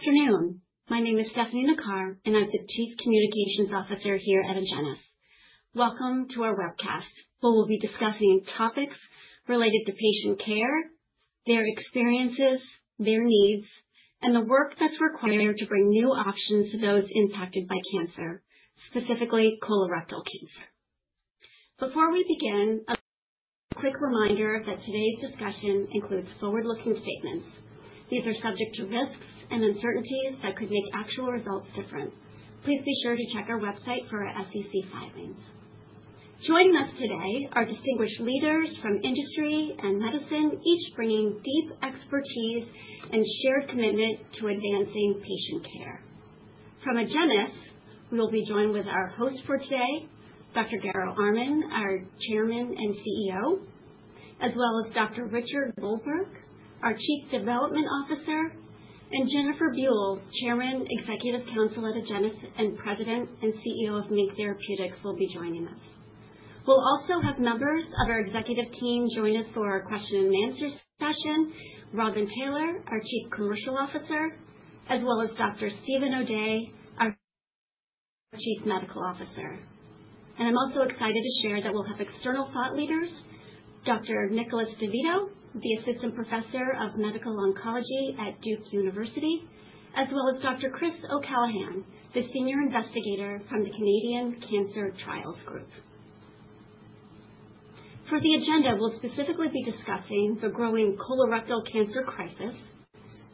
Good afternoon. My name is Stephanie Fagan, and I'm the Chief Communications Officer here at Agenus. Welcome to our webcast, where we'll be discussing topics related to patient care, their experiences, their needs, and the work that's required to bring new options to those impacted by cancer, specifically colorectal cancer. Before we begin, a quick reminder that today's discussion includes forward-looking statements. These are subject to risks and uncertainties that could make actual results different. Please be sure to check our website for our SEC filings. Joining us today are distinguished leaders from industry and medicine, each bringing deep expertise and shared commitment to advancing patient care. From Agenus, we will be joined with our host for today, Dr. Garo Armen, our Chairman and CEO, as well as Dr. Richard Goldberg, our Chief Development Officer, and Jennifer Buell, Chairman and Executive Council at Agenus and President and CEO of MiNK Therapeutics, will be joining us. We'll also have members of our executive team join us for our question-and-answer session: Robin Taylor, our Chief Commercial Officer, as well as Dr. Steven O'Day, our Chief Medical Officer. I'm also excited to share that we'll have external thought leaders: Dr. Nicholas DeVito, the Assistant Professor of Medical Oncology at Duke University, as well as Dr. Chris O'Callaghan, the Senior Investigator from the Canadian Cancer Trials Group. For the agenda, we'll specifically be discussing the growing colorectal cancer crisis,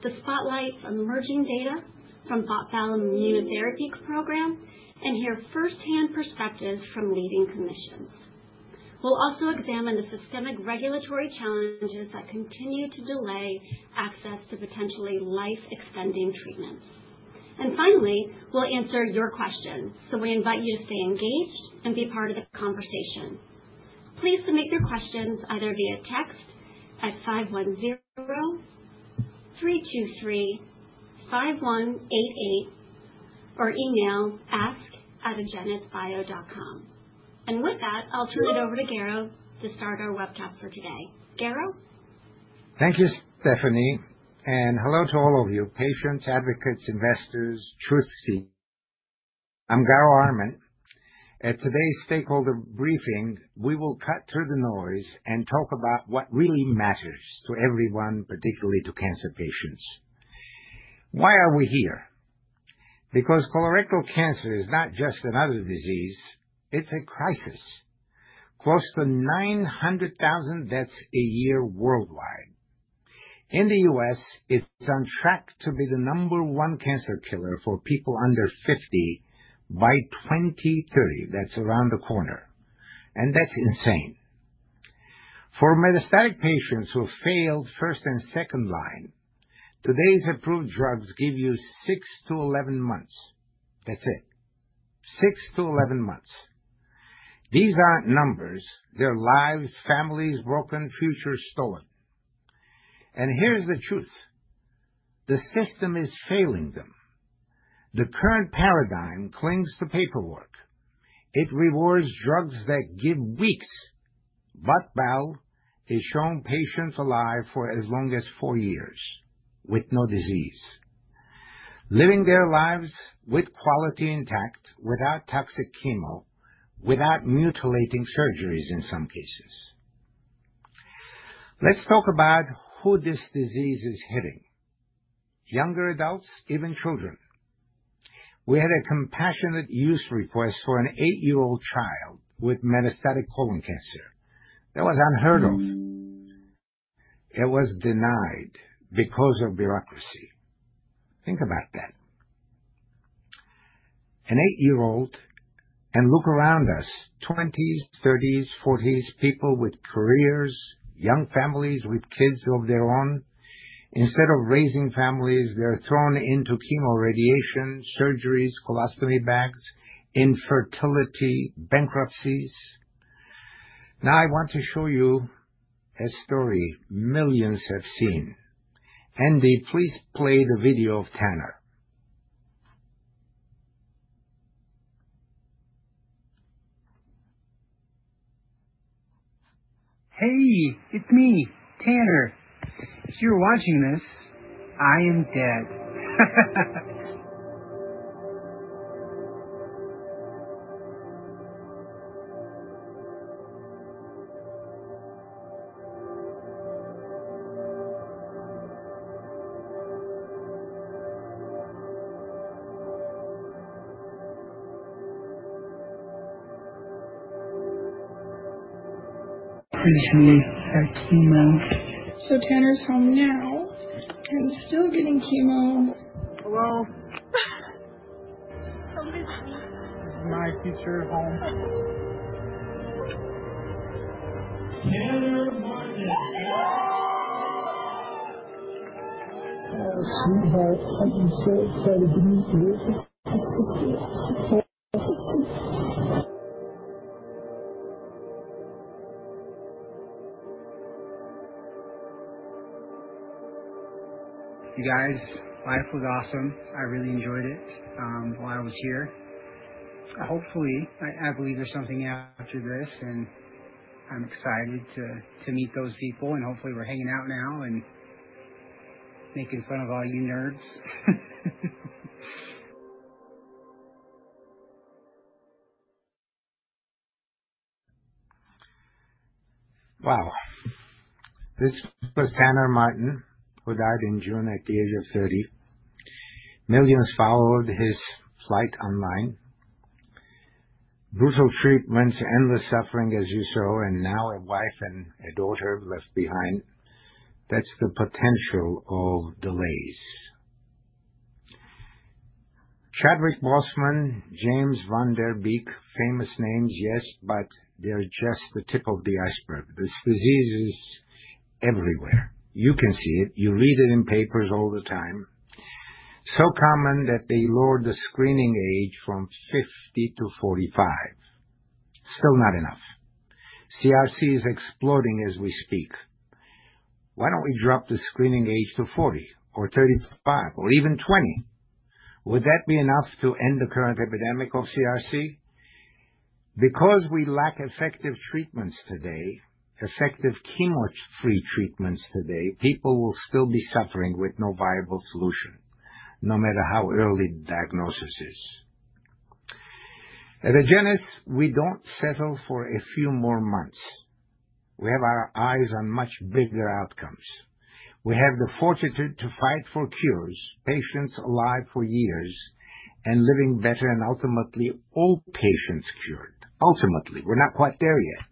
the spotlight from emerging data from BOT/BAL Immunotherapy Program, and hear firsthand perspectives from leading clinicians. We'll also examine the systemic regulatory challenges that continue to delay access to potentially life-extending treatments. And finally, we'll answer your questions, so we invite you to stay engaged and be part of the conversation. Please submit your questions either via text at 510-323-5188 or email ask@agenusbio.com. And with that, I'll turn it over to Garo to start our webcast for today. Garo? Thank you, Stephanie, and hello to all of you: patients, advocates, investors, truth seekers. I'm Garo Armen. At today's stakeholder briefing, we will cut through the noise and talk about what really matters to everyone, particularly to cancer patients. Why are we here? Because colorectal cancer is not just another disease. It's a crisis. Close to 900,000 deaths a year worldwide. In the U.S., it's on track to be the number one cancer killer for people under 50 by 2030. That's around the corner, and that's insane. For metastatic patients who have failed first and second line, today's approved drugs give you 6-11 months. That's it.6-11 months. These aren't numbers. They're lives, families broken, futures stolen. And here's the truth: the system is failing them. The current paradigm clings to paperwork. It rewards drugs that give weeks. BOT/BAL is showing patients alive for as long as 4 years with no disease, living their lives with quality intact, without toxic chemo, without mutilating surgeries in some cases. Let's talk about who this disease is hitting: younger adults, even children. We had a compassionate use request for an eight-year-old child with metastatic colon cancer that was unheard of. It was denied because of bureaucracy. Think about that. An eight-year-old, and look around us: 20s, 30s, 40s, people with careers, young families with kids of their own. Instead of raising families, they're thrown into chemo radiation, surgeries, colostomy bags, infertility, bankruptcies. Now I want to show you a story millions have seen. Andy, please play the video of Tanner. Hey, it's me, Tanner. If you're watching this, I am dead. Finishing making that chemo. So Tanner's home now and still getting chemo. Hello. Come visit me. This is my future home. You guys, life was awesome. I really enjoyed it while I was here. Hopefully, I believe there's something after this, and I'm excited to meet those people. And hopefully, we're hanging out now and making fun of all you nerds. Wow. This was Tanner Martin, who died in June at the age of 30. Millions followed his fight online. Brutal treatments, endless suffering, as you saw, and now a wife and a daughter left behind. That's the potential of delays. Chadwick Boseman, James Van Der Beek, famous names, yes, but they're just the tip of the iceberg. This disease is everywhere. You can see it. You read it in papers all the time. So common that they lowered the screening age from 50 - 45. Still not enough. CRC is exploding as we speak. Why don't we drop the screening age to 40 or 35 or even 20? Would that be enough to end the current epidemic of CRC? Because we lack effective treatments today, effective chemo-free treatments today, people will still be suffering with no viable solution, no matter how early the diagnosis is. At Agenus, we don't settle for a few more months. We have our eyes on much bigger outcomes. We have the fortitude to fight for cures, patients alive for years and living better, and ultimately, all patients cured. Ultimately, we're not quite there yet.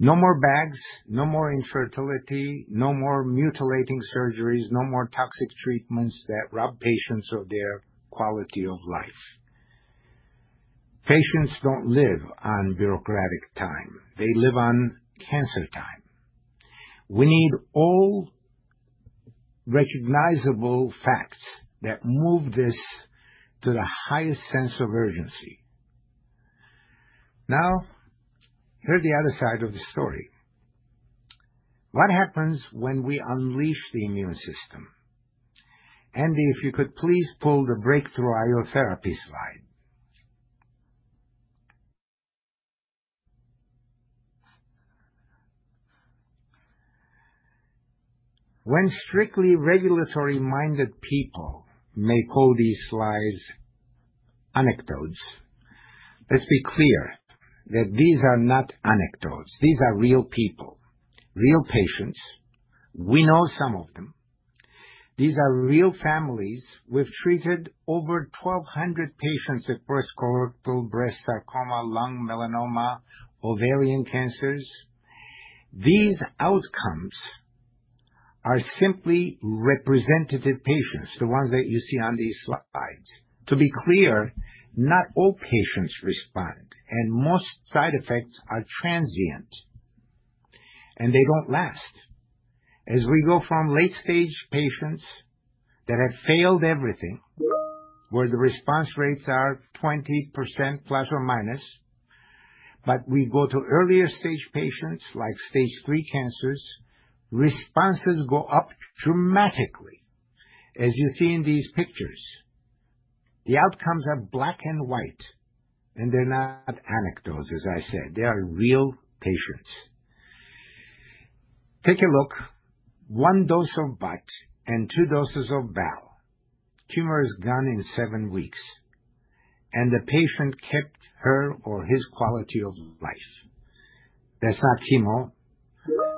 No more bags, no more infertility, no more mutilating surgeries, no more toxic treatments that rob patients of their quality of life. Patients don't live on bureaucratic time. They live on cancer time. We need all recognizable facts that move this to the highest sense of urgency. Now, here's the other side of the story. What happens when we unleash the immune system? Andy, if you could please pull the breakthrough IO therapy slide. When strictly regulatory-minded people make all these slides anecdotes, let's be clear that these are not anecdotes. These are real people, real patients. We know some of them. These are real families who have treated over 1,200 patients with breast, colorectal, breast, sarcoma, lung, melanoma, ovarian cancers. These outcomes are simply representative patients, the ones that you see on these slides. To be clear, not all patients respond, and most side effects are transient, and they don't last. As we go from late-stage patients that have failed everything, where the response rates are 20% plus or minus, but we go to earlier-stage patients like stage three cancers, responses go up dramatically, as you see in these pictures. The outcomes are black and white, and they're not anecdotes, as I said. They are real patients. Take a look. One dose of bot and two doses of bal. Tumor is gone in seven weeks, and the patient kept her or his quality of life. That's not chemo.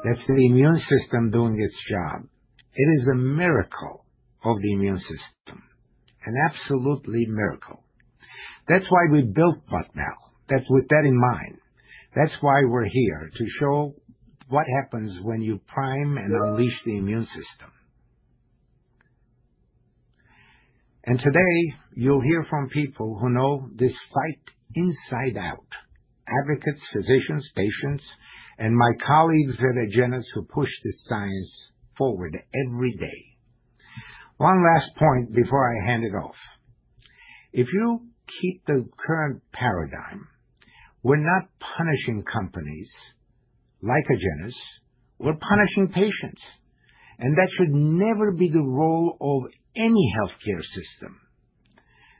That's the immune system doing its job. It is a miracle of the immune system, an absolute miracle. That's why we built BOT/BAL. That's with that in mind. That's why we're here, to show what happens when you prime and unleash the immune system, and today, you'll hear from people who know this fight inside out: advocates, physicians, patients, and my colleagues at Agenus who push this science forward every day. One last point before I hand it off. If you keep the current paradigm, we're not punishing companies like Agenus. We're punishing patients, and that should never be the role of any healthcare system.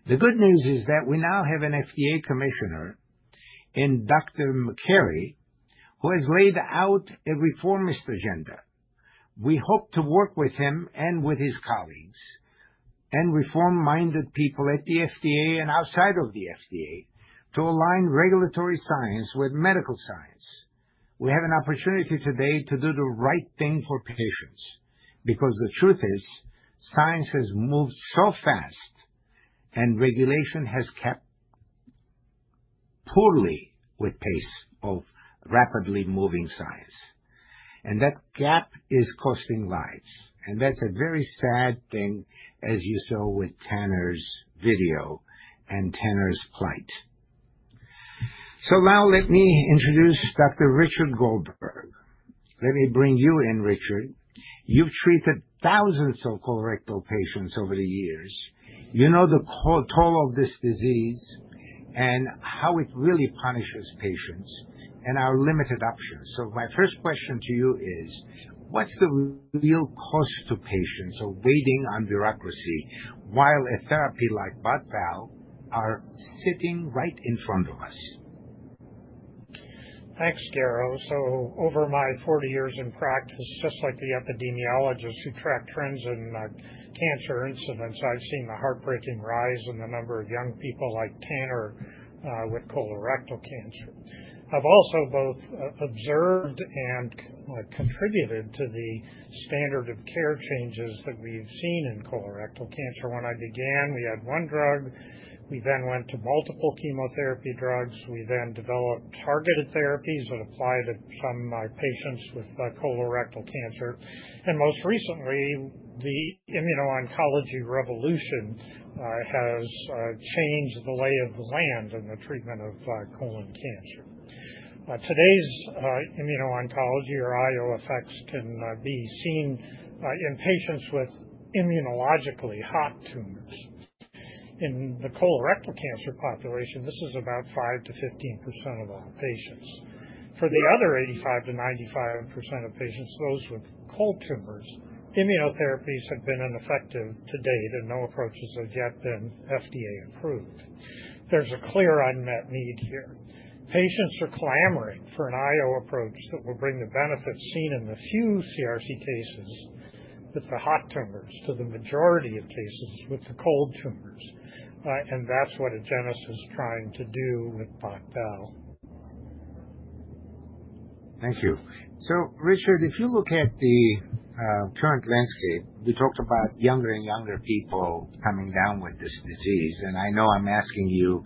The good news is that we now have an FDA commissioner in Dr. Makary who has laid out a reformist agenda. We hope to work with him and with his colleagues and reform-minded people at the FDA and outside of the FDA to align regulatory science with medical science. We have an opportunity today to do the right thing for patients because the truth is science has moved so fast, and regulation has kept poorly with pace of rapidly moving science. And that gap is costing lives, and that's a very sad thing, as you saw with Tanner's video and Tanner's plight. So now let me introduce Dr. Richard Goldberg. Let me bring you in, Richard. You've treated thousands of colorectal patients over the years. You know the toll of this disease and how it really punishes patients and our limited options. So my first question to you is, what's the real cost to patients of waiting on bureaucracy while a therapy like BOT/BAL is sitting right in front of us? Thanks, Garo. So over my 40 years in practice, just like the epidemiologists who track trends in cancer incidence, I've seen the heartbreaking rise in the number of young people like Tanner with colorectal cancer. I've also both observed and contributed to the standard of care changes that we've seen in colorectal cancer. When I began, we had one drug. We then went to multiple chemotherapy drugs. We then developed targeted therapies that apply to some patients with colorectal cancer. And most recently, the immuno-oncology revolution has changed the lay of the land in the treatment of colon cancer. Today's immuno-oncology or IO effects can be seen in patients with immunologically hot tumors. In the colorectal cancer population, this is about 5%-15% of all patients. For the other 85%-95% of patients, those with cold tumors, immunotherapies have been ineffective to date, and no approaches have yet been FDA-approved. There's a clear unmet need here. Patients are clamoring for an IO approach that will bring the benefits seen in the few CRC cases with the hot tumors to the majority of cases with the cold tumors, and that's what Agenus is trying to do with BOT/BAL. Thank you, so Richard, if you look at the current landscape, we talked about younger and younger people coming down with this disease, and I know I'm asking you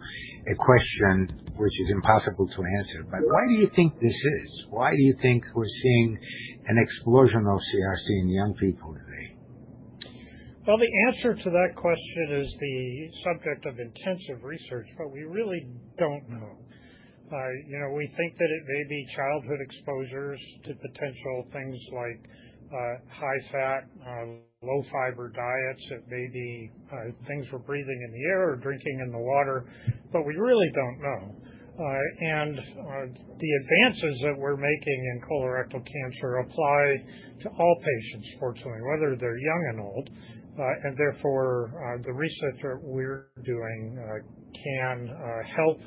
a question which is impossible to answer, but why do you think this is? Why do you think we're seeing an explosion of CRC in young people today? The answer to that question is the subject of intensive research, but we really don't know. We think that it may be childhood exposures to potential things like high-fat, low-fiber diets. It may be things we're breathing in the air or drinking in the water, but we really don't know. And the advances that we're making in colorectal cancer apply to all patients, fortunately, whether they're young and old. And therefore, the research that we're doing can help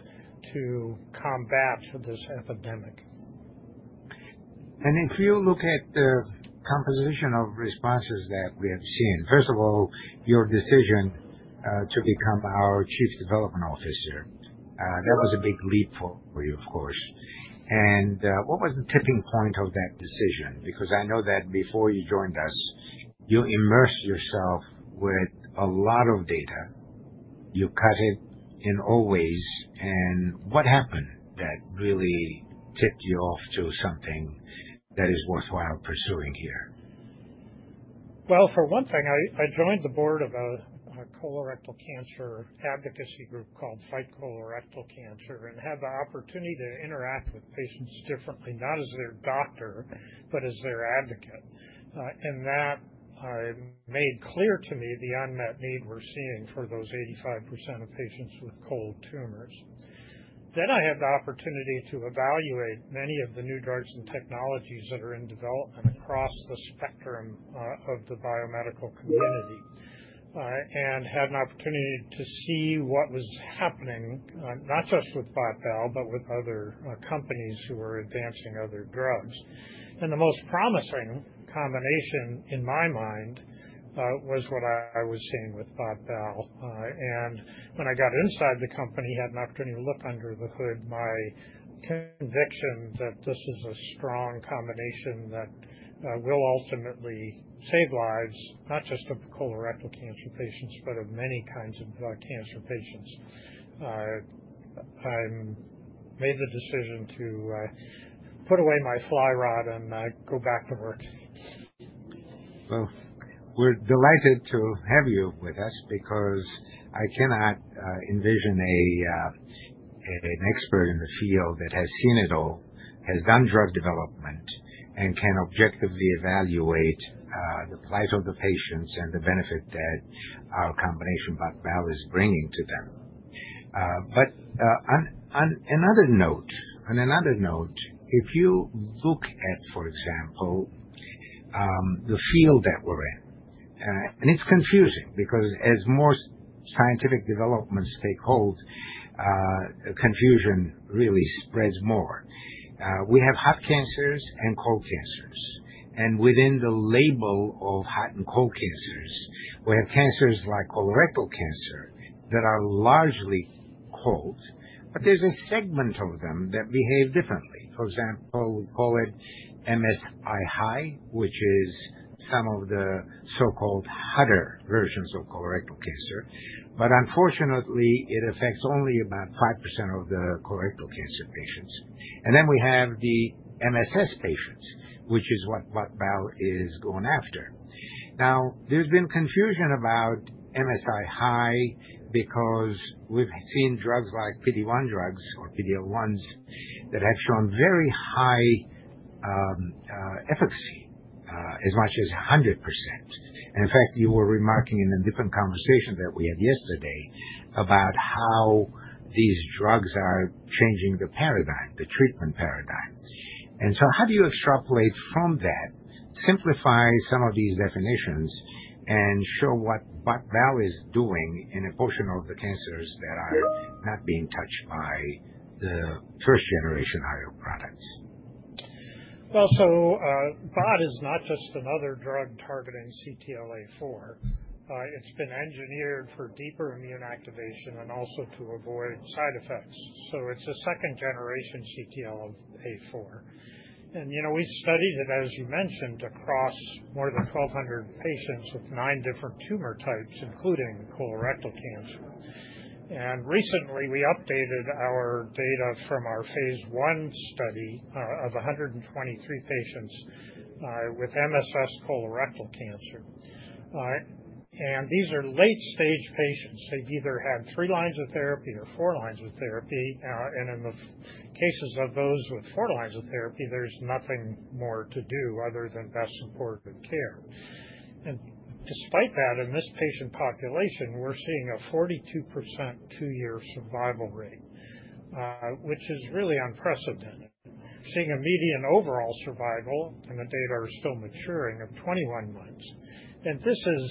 to combat this epidemic. If you look at the composition of responses that we have seen, first of all, your decision to become our Chief Development Officer, that was a big leap for you, of course. What was the tipping point of that decision? Because I know that before you joined us, you immersed yourself with a lot of data. You cut it in all ways. What happened that really tipped you off to something that is worthwhile pursuing here? For one thing, I joined the board of a colorectal cancer advocacy group called Fight Colorectal Cancer and had the opportunity to interact with patients differently, not as their doctor, but as their advocate. That made clear to me the unmet need we're seeing for those 85% of patients with cold tumors. I had the opportunity to evaluate many of the new drugs and technologies that are in development across the spectrum of the biomedical community and had an opportunity to see what was happening, not just with BOT/BAL, but with other companies who were advancing other drugs. The most promising combination in my mind was what I was seeing with BOT/BAL. When I got inside the company, had an opportunity to look under the hood, my conviction that this is a strong combination that will ultimately save lives, not just of colorectal cancer patients, but of many kinds of cancer patients. I made the decision to put away my fly rod and go back to work. We're delighted to have you with us because I cannot envision an expert in the field that has seen it all, has done drug development, and can objectively evaluate the plight of the patients and the benefit that our combination BOT/BAL is bringing to them. But on another note, on another note, if you look at, for example, the field that we're in, and it's confusing because as more scientific developments take hold, confusion really spreads more. We have hot cancers and cold cancers. And within the label of hot and cold cancers, we have cancers like colorectal cancer that are largely cold, but there's a segment of them that behave differently. For example, we call it MSI-H, which is some of the so-called hotter versions of colorectal cancer. But unfortunately, it affects only about 5% of the colorectal cancer patients. And then we have the MSS patients, which is what Bot/Bal is going after. Now, there's been confusion about MSI-high because we've seen drugs like PD-1 drugs or PD-1s that have shown very high efficacy, as much as 100%. And in fact, you were remarking in a different conversation that we had yesterday about how these drugs are changing the paradigm, the treatment paradigm. And so how do you extrapolate from that, simplify some of these definitions, and show what Bot/Bal is doing in a portion of the cancers that are not being touched by the first-generation IO products? BOT is not just another drug targeting CTLA4. It's been engineered for deeper immune activation and also to avoid side effects. It's a second-generation CTLA4. We've studied it, as you mentioned, across more than 1,200 patients with nine different tumor types, including colorectal cancer. Recently, we updated our data from our phase I study of 123 patients with MSS colorectal cancer. These are late-stage patients. They've either had three lines of therapy or four lines of therapy. In the cases of those with four lines of therapy, there's nothing more to do other than best supportive care. Despite that, in this patient population, we're seeing a 42% two-year survival rate, which is really unprecedented. We're seeing a median overall survival, and the data are still maturing, of 21 months. And this is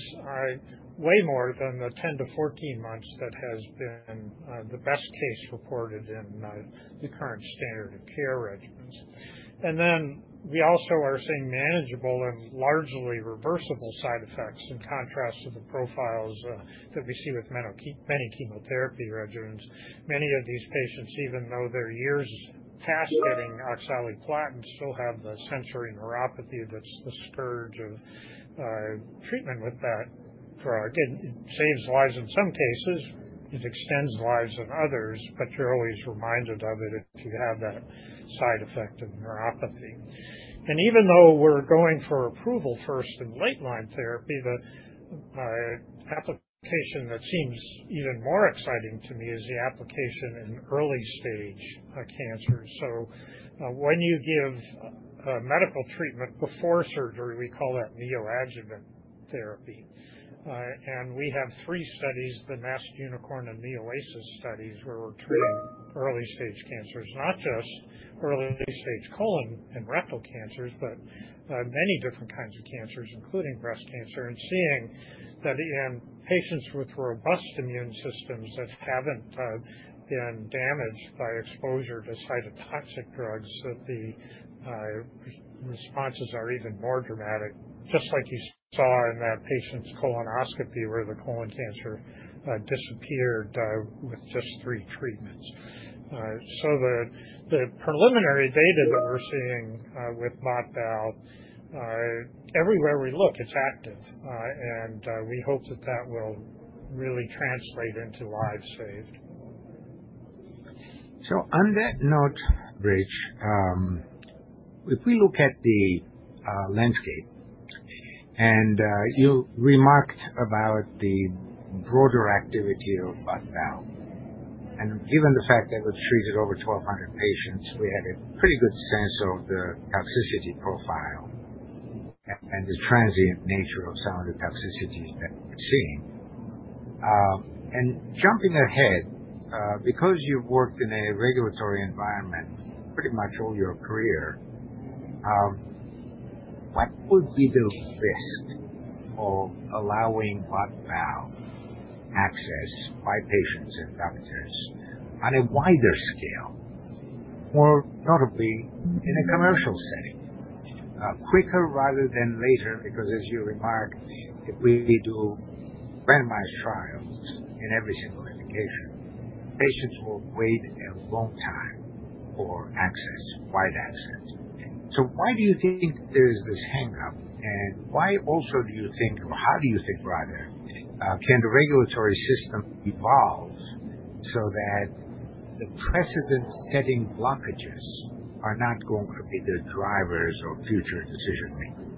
way more than the 10 - 14 months that has been the best case reported in the current standard of care regimens. And then we also are seeing manageable and largely reversible side effects in contrast to the profiles that we see with many chemotherapy regimens. Many of these patients, even though they're years past getting oxaliplatin, still have the sensory neuropathy that's the scourge of treatment with that drug. It saves lives in some cases. It extends lives in others, but you're always reminded of it if you have that side effect of neuropathy. And even though we're going for approval first in late-line therapy, the application that seems even more exciting to me is the application in early-stage cancers. So when you give medical treatment before surgery, we call that neoadjuvant therapy. We have three studies, the NASCENT, Unicorn, and Neo-ACIS studies, where we're treating early-stage cancers, not just early-stage colon and rectal cancers, but many different kinds of cancers, including breast cancer. Seeing that in patients with robust immune systems that haven't been damaged by exposure to cytotoxic drugs, the responses are even more dramatic, just like you saw in that patient's colonoscopy where the colon cancer disappeared with just three treatments. The preliminary data that we're seeing with BOT/BAL, everywhere we look, it's active. We hope that that will really translate into lives saved. So on that note, Rich, if we look at the landscape, and you remarked about the broader activity of BOT/BAL. And given the fact that we've treated over 1,200 patients, we had a pretty good sense of the toxicity profile and the transient nature of some of the toxicities that we've seen. And jumping ahead, because you've worked in a regulatory environment pretty much all your career, what would be the risk of allowing BOT/BAL access by patients and doctors on a wider scale, more notably in a commercial setting? Quicker rather than later because, as you remarked, if we do randomized trials in every single indication, patients will wait a long time for access, wide access. So why do you think there's this hang-up? Why also do you think, or how do you think, rather, can the regulatory system evolve so that the precedent-setting blockages are not going to be the drivers of future decision-making?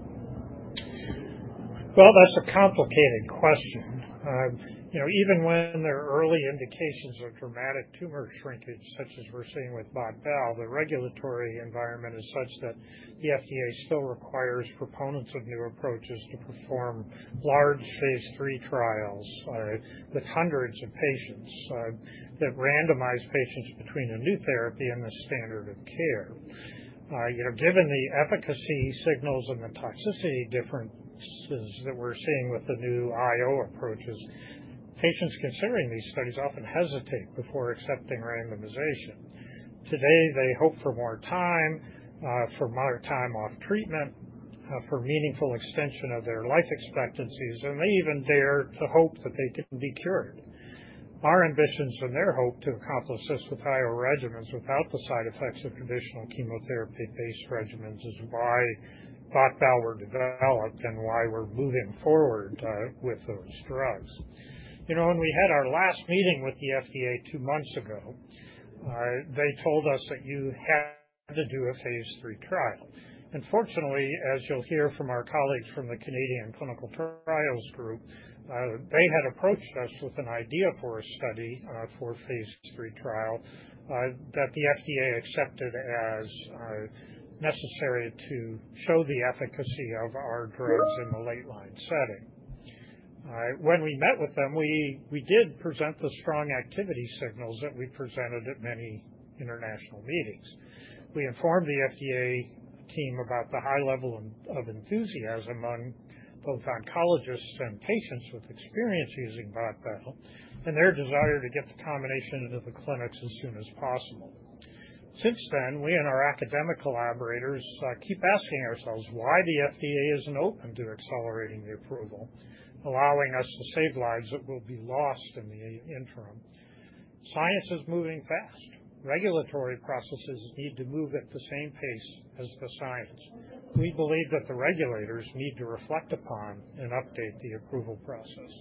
That's a complicated question. Even when there are early indications of dramatic tumor shrinkage, such as we're seeing with Bottbell, the regulatory environment is such that the FDA still requires proponents of new approaches to perform large phase III trials with hundreds of patients that randomize patients between a new therapy and the standard of care. Given the efficacy signals and the toxicity differences that we're seeing with the new IO approaches, patients considering these studies often hesitate before accepting randomization. Today, they hope for more time, for more time off treatment, for meaningful extension of their life expectancies, and they even dare to hope that they can be cured. Our ambitions and their hope to accomplish this with IO regimens without the side effects of traditional chemotherapy-based regimens is why Bottbell were developed and why we're moving forward with those drugs. When we had our last meeting with the FDA 2 months ago, they told us that you had to do a phase III trial. And fortunately, as you'll hear from our colleagues from the Canadian Cancer Trials Group, they had approached us with an idea for a study for a phase III trial that the FDA accepted as necessary to show the efficacy of our drugs in the late-line setting. When we met with them, we did present the strong activity signals that we presented at many international meetings. We informed the FDA team about the high level of enthusiasm among both oncologists and patients with experience using Bottbell and their desire to get the combination into the clinics as soon as possible. Since then, we and our academic collaborators keep asking ourselves why the FDA isn't open to accelerating the approval, allowing us to save lives that will be lost in the interim. Science is moving fast. Regulatory processes need to move at the same pace as the science. We believe that the regulators need to reflect upon and update the approval process.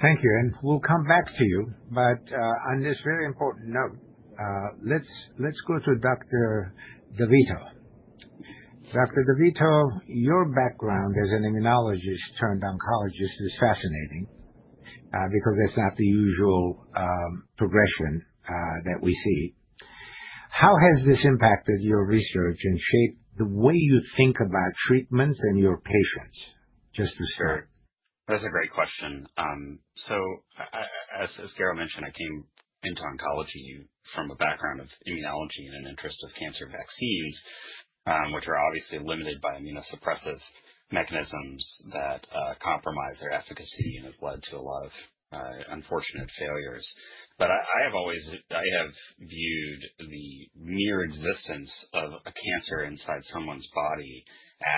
Thank you. And we'll come back to you. But on this very important note, let's go to Dr. DeVito. Dr. DeVito, your background as an immunologist turned oncologist is fascinating because it's not the usual progression that we see. How has this impacted your research and shaped the way you think about treatments and your patients, just to start? That's a great question. So as Garo mentioned, I came into oncology from a background of immunology and an interest of cancer vaccines, which are obviously limited by immunosuppressive mechanisms that compromise their efficacy and have led to a lot of unfortunate failures. But I have viewed the mere existence of a cancer inside someone's body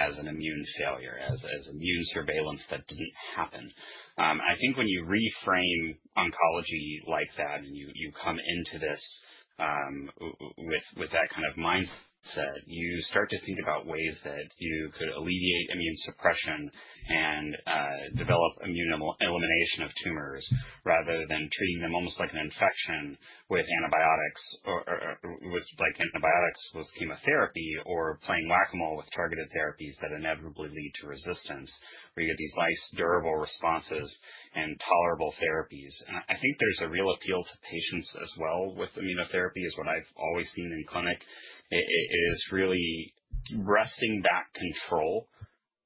as an immune failure, as immune surveillance that didn't happen. I think when you reframe oncology like that and you come into this with that kind of mindset, you start to think about ways that you could alleviate immune suppression and develop immune elimination of tumors rather than treating them almost like an infection with antibiotics, with chemotherapy, or playing whack-a-mole with targeted therapies that inevitably lead to resistance, where you get these nice durable responses and tolerable therapies. I think there's a real appeal to patients as well with immunotherapy, is what I've always seen in clinic. It is really wresting back control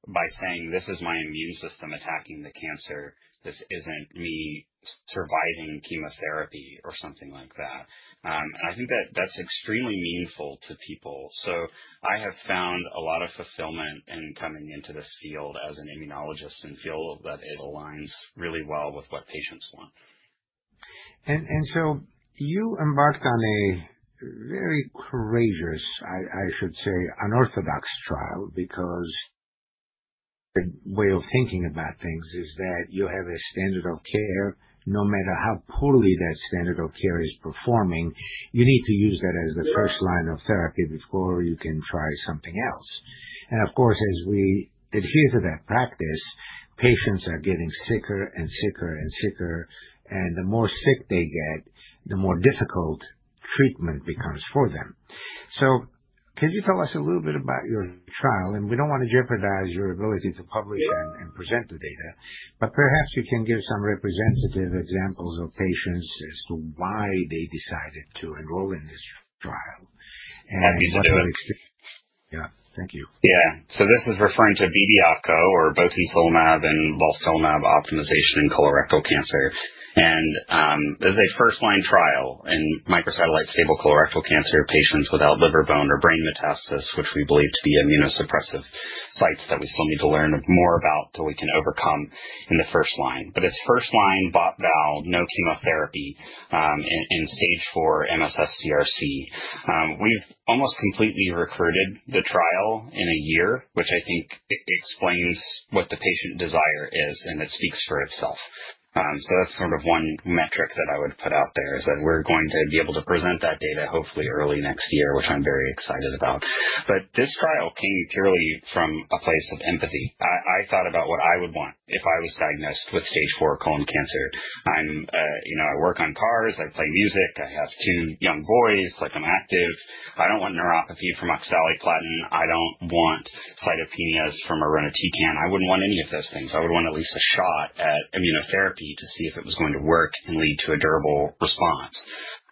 by saying, "This is my immune system attacking the cancer. This isn't me surviving chemotherapy or something like that." I think that that's extremely meaningful to people. I have found a lot of fulfillment in coming into this field as an immunologist and feel that it aligns really well with what patients want. And so you embarked on a very courageous, I should say, unorthodox trial because the way of thinking about things is that you have a standard of care. No matter how poorly that standard of care is performing, you need to use that as the first line of therapy before you can try something else. And of course, as we adhere to that practice, patients are getting sicker and sicker and sicker. And the more sick they get, the more difficult treatment becomes for them. So can you tell us a little bit about your trial? And we don't want to jeopardize your ability to publish and present the data, but perhaps you can give some representative examples of patients as to why they decided to enroll in this trial. That'd be lovely. Yeah. Thank you. Yeah. So this is referring to BB-ACCO, or botensilimab and balstilimab optimization in colorectal cancer. And it was a first-line trial in microsatellite stable colorectal cancer patients without liver bone or brain metastasis, which we believe to be immunosuppressive sites that we still need to learn more about so we can overcome in the first line. But it's first-line BOT/BAL, no chemotherapy, in stage four MSS-CRC. We've almost completely recruited the trial in a year, which I think explains what the patient desire is, and it speaks for itself. So that's sort of one metric that I would put out there is that we're going to be able to present that data, hopefully, early next year, which I'm very excited about. But this trial came purely from a place of empathy. I thought about what I would want if I was diagnosed with stage four colon cancer. I work on cars. I play music. I have two young boys. I'm active. I don't want neuropathy from oxaliplatin. I don't want cytopenias from irinotecan. I wouldn't want any of those things. I would want at least a shot at immunotherapy to see if it was going to work and lead to a durable response,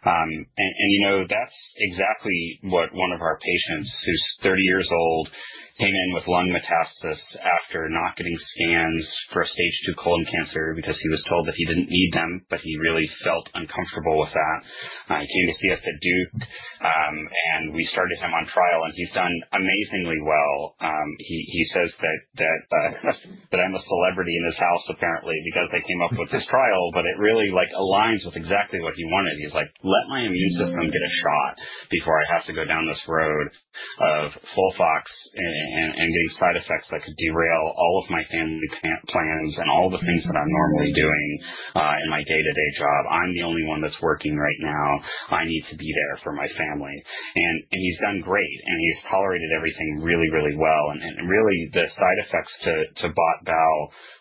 and that's exactly what one of our patients, who's 30 years old, came in with lung metastasis after not getting scans for stage two colon cancer because he was told that he didn't need them, but he really felt uncomfortable with that. He came to see us at Duke, and we started him on trial, and he's done amazingly well. He says that I'm a celebrity in his house, apparently, because they came up with this trial, but it really aligns with exactly what he wanted. He's like, "Let my immune system get a shot before I have to go down this road of FOLFOX and getting side effects that could derail all of my family plans and all the things that I'm normally doing in my day-to-day job. I'm the only one that's working right now. I need to be there for my family." And he's done great, and he's tolerated everything really, really well. And really, the side effects to BOT/BAL,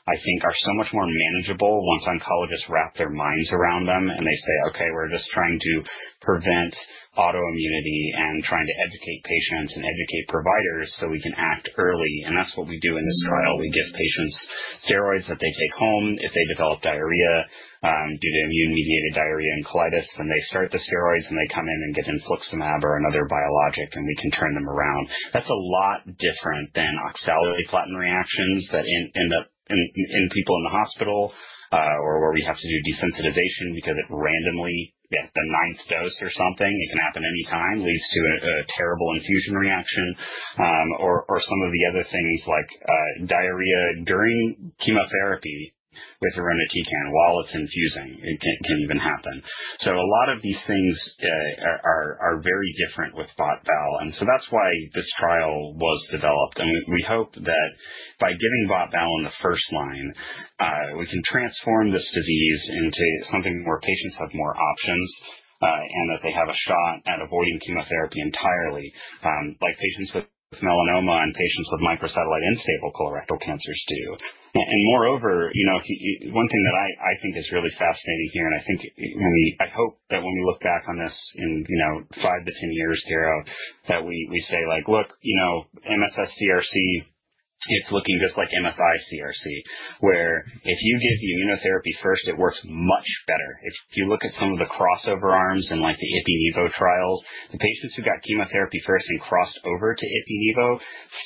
I think, are so much more manageable once oncologists wrap their minds around them and they say, "Okay, we're just trying to prevent autoimmunity and trying to educate patients and educate providers so we can act early." And that's what we do in this trial. We give patients steroids that they take home. If they develop diarrhea due to immune-mediated diarrhea and colitis, then they start the steroids, and they come in and get infliximab or another biologic, and we can turn them around. That's a lot different than Oxaliplatin reactions that end up in people in the hospital or where we have to do desensitization because it randomly at the ninth dose or something, it can happen anytime, leads to a terrible infusion reaction, or some of the other things like diarrhea during chemotherapy with Irinotecan while it's infusing can even happen, so a lot of these things are very different with BOT/BAL. And so that's why this trial was developed. We hope that by giving BOT/BAL in the first line, we can transform this disease into something where patients have more options and that they have a shot at avoiding chemotherapy entirely, like patients with melanoma and patients with microsatellite unstable colorectal cancers do. Moreover, one thing that I think is really fascinating here, and I think I hope that when we look back on this in 5-10 years, Garo, that we say, "Look, MSS-CRC, it's looking just like MSI-CRC, where if you give the immunotherapy first, it works much better." If you look at some of the crossover arms in the Ipi/Nivo trials, the patients who got chemotherapy first and crossed over to Ipi/Nivo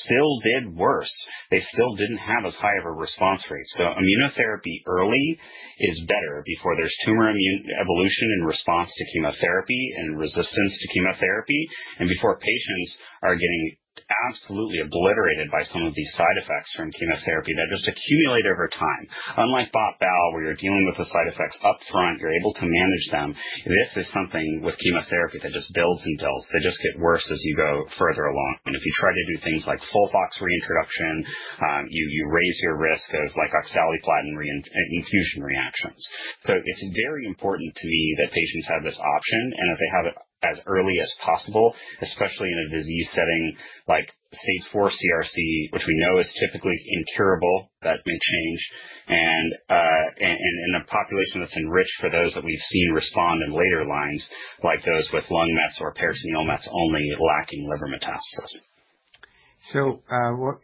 still did worse. They still didn't have as high of a response rate. So immunotherapy early is better before there's tumor evolution and response to chemotherapy and resistance to chemotherapy, and before patients are getting absolutely obliterated by some of these side effects from chemotherapy that just accumulate over time. Unlike BOT/BAL, where you're dealing with the side effects upfront, you're able to manage them. This is something with chemotherapy that just builds and builds. They just get worse as you go further along. And if you try to do things like FOLFOX reintroduction, you raise your risk of oxaliplatin infusion reactions. So it's very important to me that patients have this option and that they have it as early as possible, especially in a disease setting like stage four CRC, which we know is typically incurable. That may change. In a population that's enriched for those that we've seen respond in later lines, like those with lung mets or peritoneal mets only lacking liver metastasis. What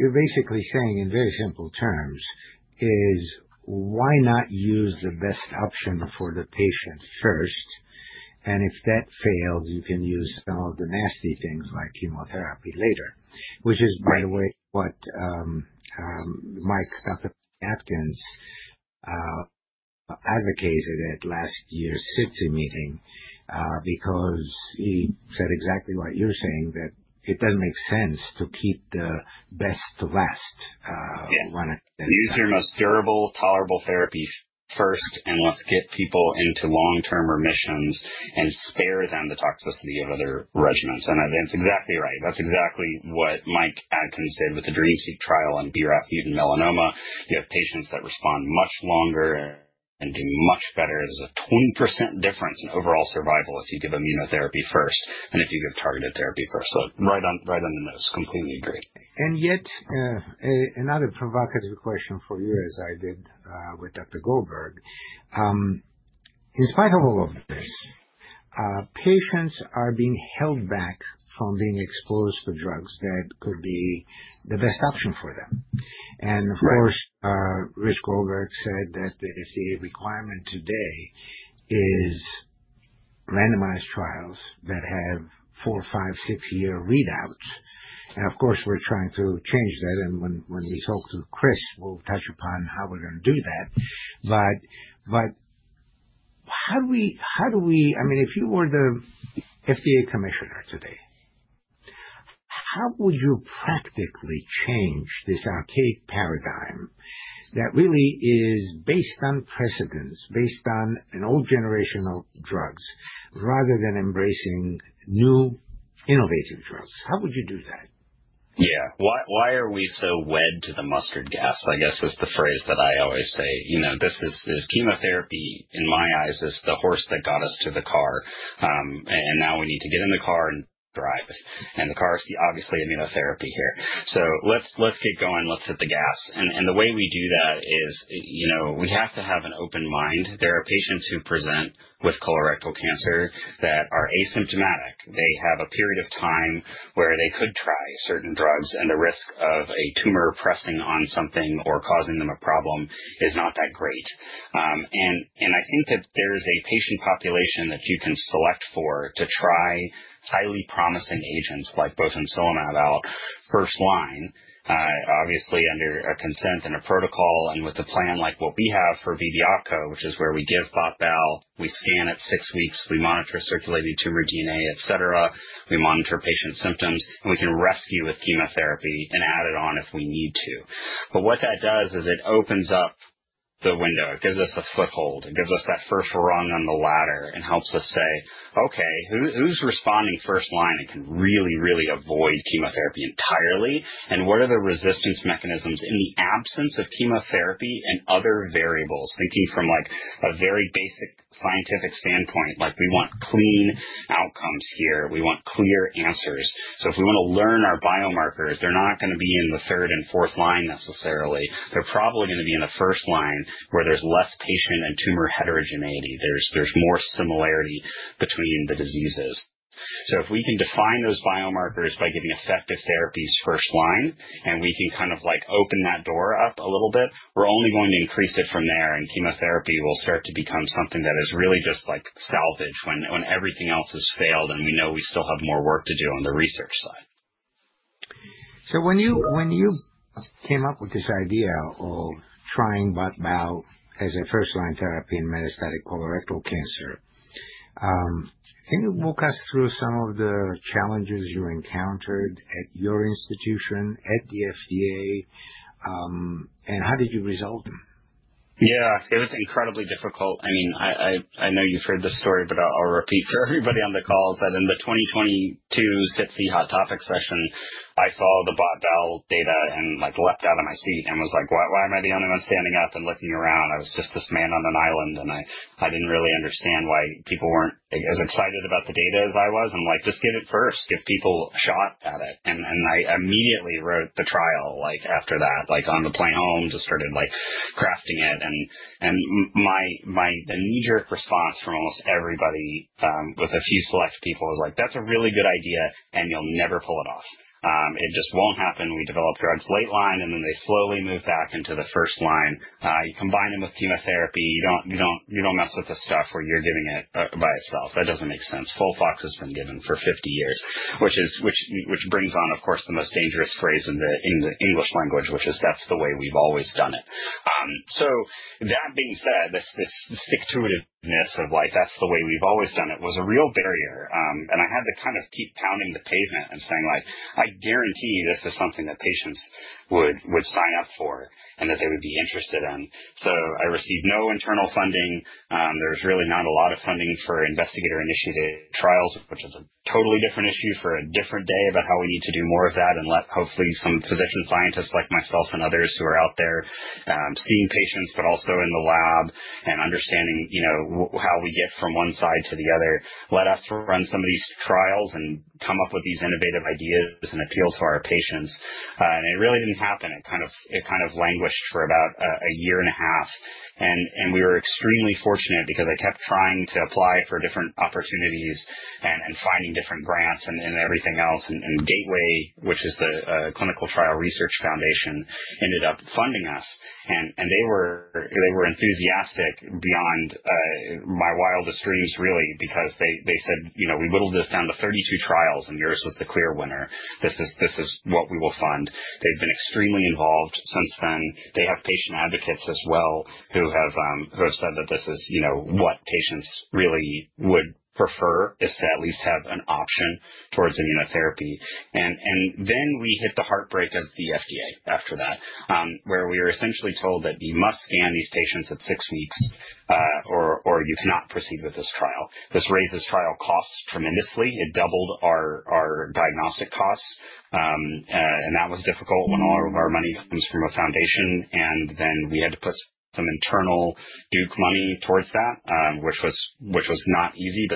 you're basically saying in very simple terms is, why not use the best option for the patient first? And if that fails, you can use some of the nasty things like chemotherapy later, which is, by the way, what Dr. Michael Atkins advocated at last year's SITC meeting because he said exactly what you're saying, that it doesn't make sense to keep the best to last. Use your most durable, tolerable therapy first, and let's get people into long-term remissions and spare them the toxicity of other regimens. And that's exactly right. That's exactly what Mike Atkins did with the DREAMseq trial in BRAF mutant melanoma. You have patients that respond much longer and do much better. There's a 20% difference in overall survival if you give immunotherapy first and if you give targeted therapy first. So right on the nose, completely agree. Yet, another provocative question for you, as I did with Dr. Goldberg. In spite of all of this, patients are being held back from being exposed to drugs that could be the best option for them. Of course, Rich Goldberg said that the requirement today is randomized trials that have four, five, six-year readouts. Of course, we're trying to change that. When we talk to Chris, we'll touch upon how we're going to do that. How do we, I mean, if you were the FDA commissioner today, how would you practically change this archaic paradigm that really is based on precedents, based on an old generation of drugs, rather than embracing new innovative drugs? How would you do that? Yeah. Why are we so wed to the mustard gas? I guess it's the phrase that I always say. Chemotherapy, in my eyes, is the horse that got us to the car, and now we need to get in the car and drive, and the car is obviously immunotherapy here. Let's get going. Let's hit the gas, and the way we do that is we have to have an open mind. There are patients who present with colorectal cancer that are asymptomatic. They have a period of time where they could try certain drugs, and the risk of a tumor pressing on something or causing them a problem is not that great. I think that there is a patient population that you can select for to try highly promising agents like botensilimab in first line, obviously under a consent and a protocol and with a plan like what we have for BD-ACCO, which is where we give BOT/BAL, we scan at six weeks, we monitor circulating tumor DNA, etc. We monitor patient symptoms, and we can rescue with chemotherapy and add it on if we need to. What that does is it opens up the window. It gives us a foothold. It gives us that first rung on the ladder and helps us say, "Okay, who's responding first line and can really, really avoid chemotherapy entirely? And what are the resistance mechanisms in the absence of chemotherapy and other variables?" Thinking from a very basic scientific standpoint, we want clean outcomes here. We want clear answers. So if we want to learn our biomarkers, they're not going to be in the third and fourth line necessarily. They're probably going to be in the first line where there's less patient and tumor heterogeneity. There's more similarity between the diseases. So if we can define those biomarkers by giving effective therapies first line, and we can kind of open that door up a little bit, we're only going to increase it from there. And chemotherapy will start to become something that is really just like salvage when everything else has failed and we know we still have more work to do on the research side. So when you came up with this idea of trying BOT/BAL as a first-line therapy in metastatic colorectal cancer, can you walk us through some of the challenges you encountered at your institution, at the FDA, and how did you resolve? Yeah. It was incredibly difficult. I mean, I know you've heard this story, but I'll repeat for everybody on the call that in the 2022 SITC hot topic session, I saw the BOT/BAL data and leaped out of my seat and was like, "Why am I the only one standing up and looking around? I was just this man on an island, and I didn't really understand why people weren't as excited about the data as I was." I'm like, "Just get it first. Give people a shot at it." I immediately wrote the trial after that, on the plane home, just started crafting it. The knee-jerk response from almost everybody, with a few select people, was like, "That's a really good idea, and you'll never pull it off. It just won't happen." We develop drugs late line, and then they slowly move back into the first line. You combine them with chemotherapy. You don't mess with the stuff where you're giving it by itself. That doesn't make sense. FOLFOX has been given for 50 years, which brings on, of course, the most dangerous phrase in the English language, which is, "That's the way we've always done it." So that being said, this stick-to-it-ness of, "That's the way we've always done it," was a real barrier. And I had to kind of keep pounding the pavement and saying, "I guarantee this is something that patients would sign up for and that they would be interested in." So I received no internal funding. There's really not a lot of funding for investigator-initiated trials, which is a totally different issue for a different day about how we need to do more of that and let, hopefully, some physician scientists like myself and others who are out there seeing patients, but also in the lab and understanding how we get from one side to the other, let us run some of these trials and come up with these innovative ideas and appeal to our patients. And it really didn't happen. It kind of languished for about a year and a half. And we were extremely fortunate because I kept trying to apply for different opportunities and finding different grants and everything else. And Gateway for Cancer Research ended up funding us. And they were enthusiastic beyond my wildest dreams, really, because they said, "We whittled this down to 32 trials, and yours was the clear winner. This is what we will fund." They've been extremely involved since then. They have patient advocates as well who have said that this is what patients really would prefer is to at least have an option towards immunotherapy. And then we hit the heartbreak of the FDA after that, where we were essentially told that you must scan these patients at six weeks or you cannot proceed with this trial. This raises trial costs tremendously. It doubled our diagnostic costs. And that was difficult when all of our money comes from a foundation. And then we had to put some internal Duke money towards that, which was not easy.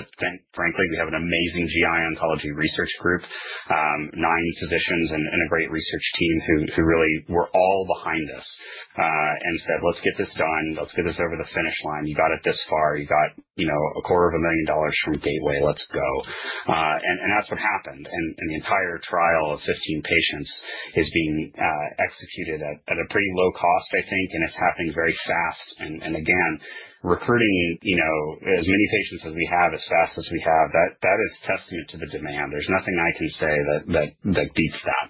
Frankly, we have an amazing GI oncology research group, nine physicians and a great research team who really were all behind us and said, "Let's get this done. Let's get this over the finish line. You got it this far. You got $250,000 from Gateway. Let's go." And that's what happened. And the entire trial of 15 patients is being executed at a pretty low cost, I think. And it's happening very fast. And again, recruiting as many patients as we have, as fast as we have, that is a testament to the demand. There's nothing I can say that beats that.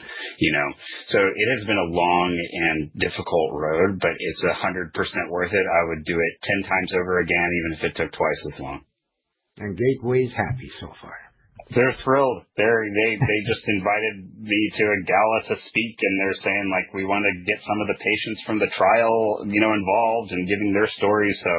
So it has been a long and difficult road, but it's 100% worth it. I would do it 10 times over again, even if it took twice as long. Gateway is happy so far. They're thrilled. They just invited me to a gala to speak, and they're saying, "We want to get some of the patients from the trial involved and giving their stories." So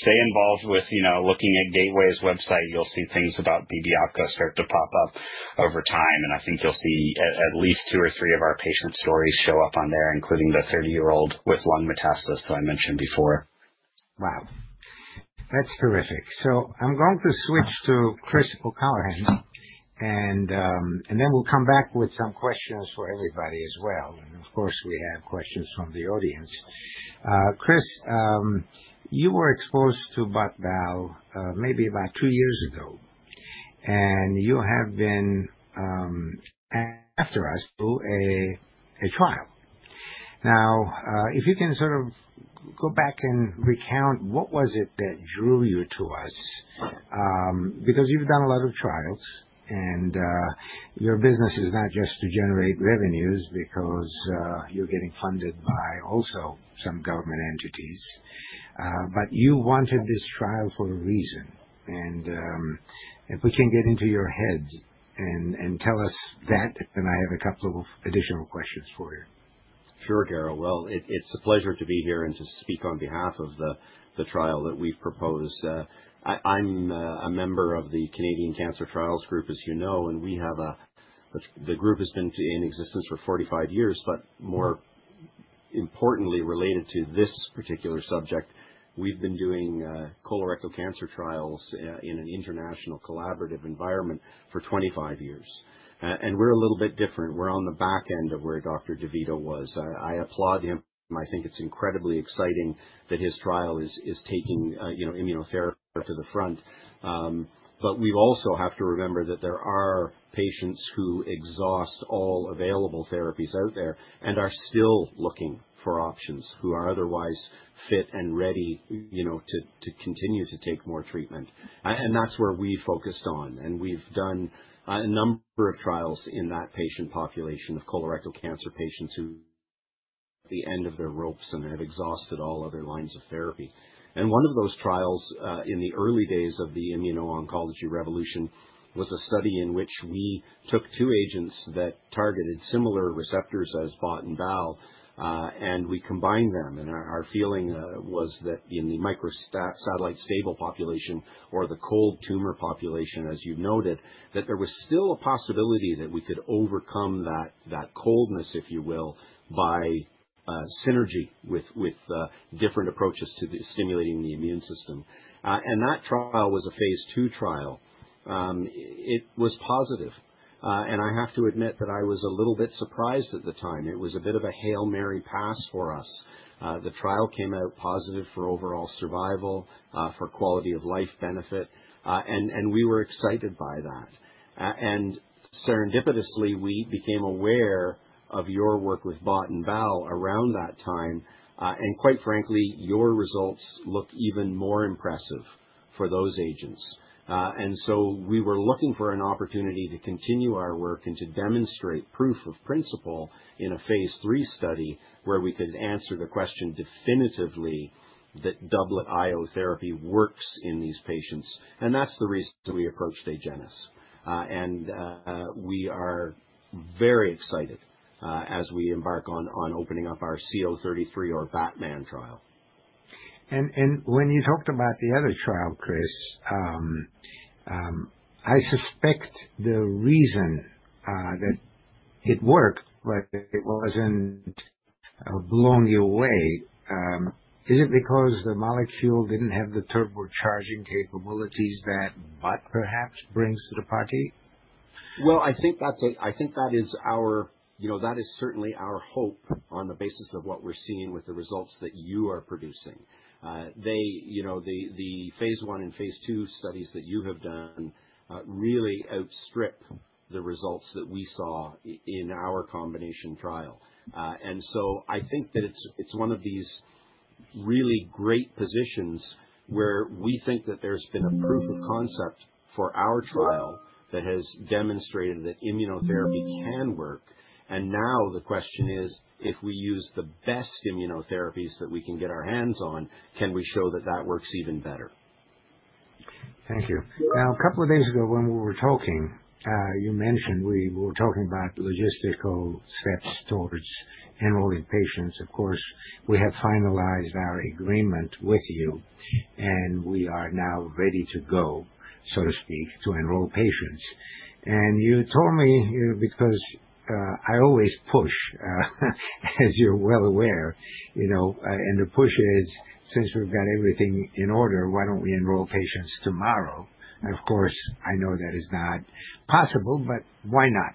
stay involved with looking at Gateway's website. You'll see things about BD-ACCO start to pop up over time. And I think you'll see at least two or three of our patient stories show up on there, including the 30-year-old with lung metastasis that I mentioned before. Wow. That's terrific, so I'm going to switch to Chris O'Callaghan and then we'll come back with some questions for everybody as well. And of course, we have questions from the audience. Chris, you were exposed to BOT/BAL maybe about 2 years ago. And you have been, after us, a trial. Now, if you can sort of go back and recount, what was it that drew you to us? Because you've done a lot of trials, and your business is not just to generate revenues because you're getting funded by also some government entities. But you wanted this trial for a reason. And if we can get into your head and tell us that, then I have a couple of additional questions for you. Sure, Garo. It's a pleasure to be here and to speak on behalf of the trial that we've proposed. I'm a member of the Canadian Cancer Trials Group, as you know, and the group has been in existence for 45 years, but more importantly, related to this particular subject, we've been doing colorectal cancer trials in an international collaborative environment for 25 years, and we're a little bit different. We're on the back end of where Dr. DeVito was. I applaud him. I think it's incredibly exciting that his trial is taking immunotherapy to the front, but we also have to remember that there are patients who exhaust all available therapies out there and are still looking for options who are otherwise fit and ready to continue to take more treatment, and that's where we focused on. And we've done a number of trials in that patient population of colorectal cancer patients who are at the end of their ropes and have exhausted all other lines of therapy. And one of those trials in the early days of the immuno-oncology revolution was a study in which we took two agents that targeted similar receptors as bot and bal, and we combined them. And our feeling was that in the microsatellite stable population or the cold tumor population, as you've noted, that there was still a possibility that we could overcome that coldness, if you will, by synergy with different approaches to stimulating the immune system. And that trial was a phase II trial. It was positive. And I have to admit that I was a little bit surprised at the time. It was a bit of a Hail Mary pass for us. The trial came out positive for overall survival, for quality of life benefit. We were excited by that. Serendipitously, we became aware of your work with bot and bal around that time. Quite frankly, your results look even more impressive for those agents. We were looking for an opportunity to continue our work and to demonstrate proof of principle in a phase III study where we could answer the question definitively that dual IO therapy works in these patients. That's the reason we approached Agenus. We are very excited as we embark on opening up our CO.33 or BOT/BAL trial. When you talked about the other trial, Chris, I suspect the reason that it worked, but it wasn't blown you away, is it because the molecule didn't have the turbocharging capabilities that Bot perhaps brings to the party? I think that is our—that is certainly our hope on the basis of what we're seeing with the results that you are producing. The phase I and phase II studies that you have done really outstrip the results that we saw in our combination trial. I think that it's one of these really great positions where we think that there's been a proof of concept for our trial that has demonstrated that immunotherapy can work. The question is, if we use the best immunotherapies that we can get our hands on, can we show that that works even better? Thank you. Now, a couple of days ago when we were talking, you mentioned we were talking about logistical steps towards enrolling patients. Of course, we have finalized our agreement with you, and we are now ready to go, so to speak, to enroll patients. And you told me, because I always push, as you're well aware, and the push is, "Since we've got everything in order, why don't we enroll patients tomorrow?" And of course, I know that is not possible, but why not?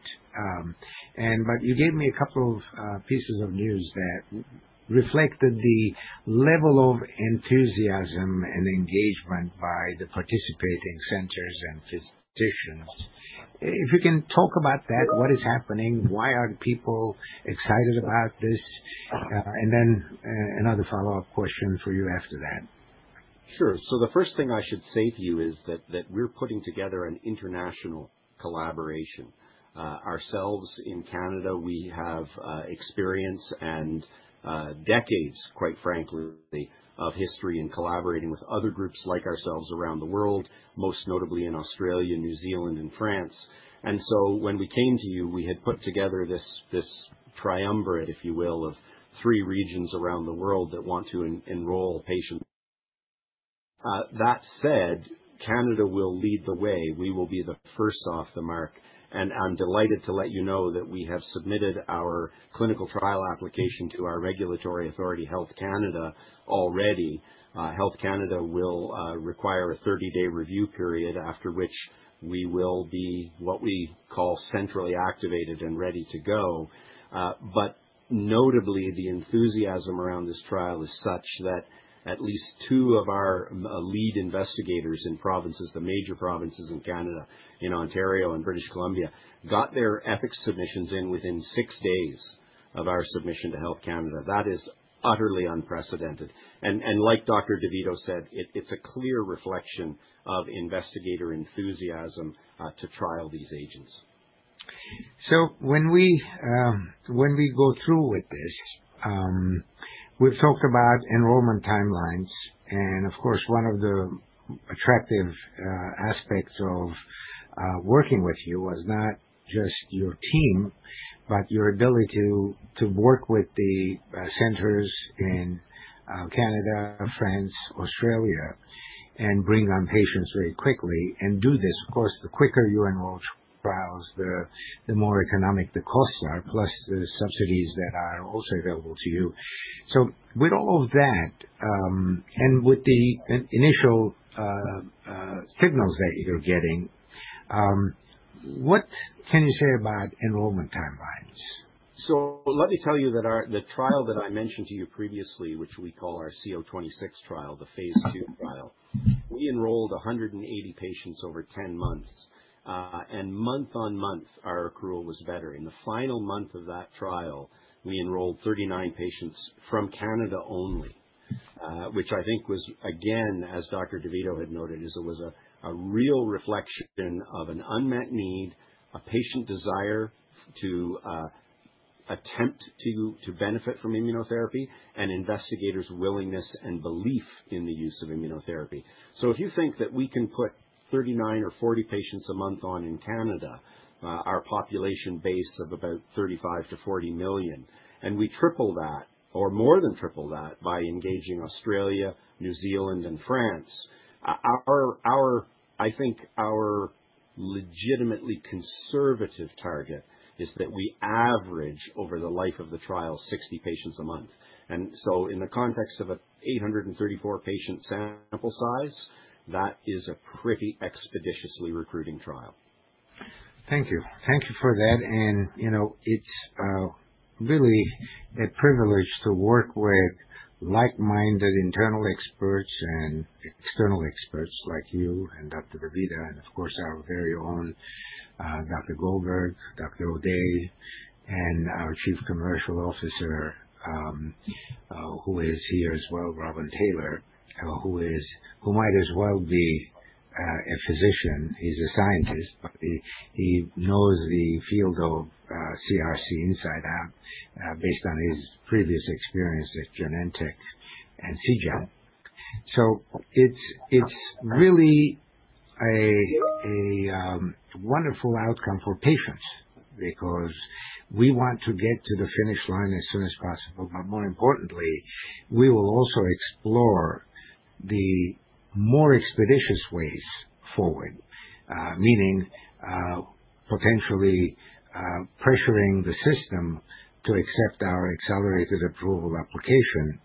But you gave me a couple of pieces of news that reflected the level of enthusiasm and engagement by the participating centers and physicians. If you can talk about that, what is happening? Why are the people excited about this? And then another follow-up question for you after that. Sure. So the first thing I should say to you is that we're putting together an international collaboration. Ourselves in Canada, we have experience and decades, quite frankly, of history in collaborating with other groups like ourselves around the world, most notably in Australia, New Zealand, and France. And so when we came to you, we had put together this triumvirate, if you will, of three regions around the world that want to enroll patients. That said, Canada will lead the way. We will be the first off the mark. And I'm delighted to let you know that we have submitted our clinical trial application to our regulatory authority, Health Canada, already. Health Canada will require a 30-day review period, after which we will be what we call centrally activated and ready to go. But notably, the enthusiasm around this trial is such that at least two of our lead investigators in provinces, the major provinces in Canada, in Ontario and British Columbia, got their ethics submissions in within six days of our submission to Health Canada. That is utterly unprecedented, and like Dr. DeVito said, it's a clear reflection of investigator enthusiasm to trial these agents. So when we go through with this, we've talked about enrollment timelines. And of course, one of the attractive aspects of working with you was not just your team, but your ability to work with the centers in Canada, France, Australia, and bring on patients very quickly and do this. Of course, the quicker you enroll trials, the more economic the costs are, plus the subsidies that are also available to you. So with all of that and with the initial signals that you're getting, what can you say about enrollment timelines? Let me tell you that the trial that I mentioned to you previously, which we call our CO26 trial, the phase II trial, we enrolled 180 patients over 10 months. Month on month, our accrual was better. In the final month of that trial, we enrolled 39 patients from Canada only, which I think was, again, as Dr. DeVito had noted, it was a real reflection of an unmet need, a patient desire to attempt to benefit from immunotherapy, and investigators' willingness and belief in the use of immunotherapy. So if you think that we can put 39 or 40 patients a month on in Canada, our population base of about 35-40 million, and we triple that or more than triple that by engaging Australia, New Zealand, and France, I think our legitimately conservative target is that we average over the life of the trial 60 patients a month, and so in the context of an 834-patient sample size, that is a pretty expeditiously recruiting trial. Thank you. Thank you for that. And it's really a privilege to work with like-minded internal experts and external experts like you and Dr. DeVito and, of course, our very own Dr. Goldberg, Dr. O'Day, and our Chief Commercial Officer, who is here as well, Robin Taylor, who might as well be a physician. He's a scientist, but he knows the field of CRC inside out based on his previous experience at Genentech and Seagen. So it's really a wonderful outcome for patients because we want to get to the finish line as soon as possible. But more importantly, we will also explore the more expeditious ways forward, meaning potentially pressuring the system to accept our accelerated approval application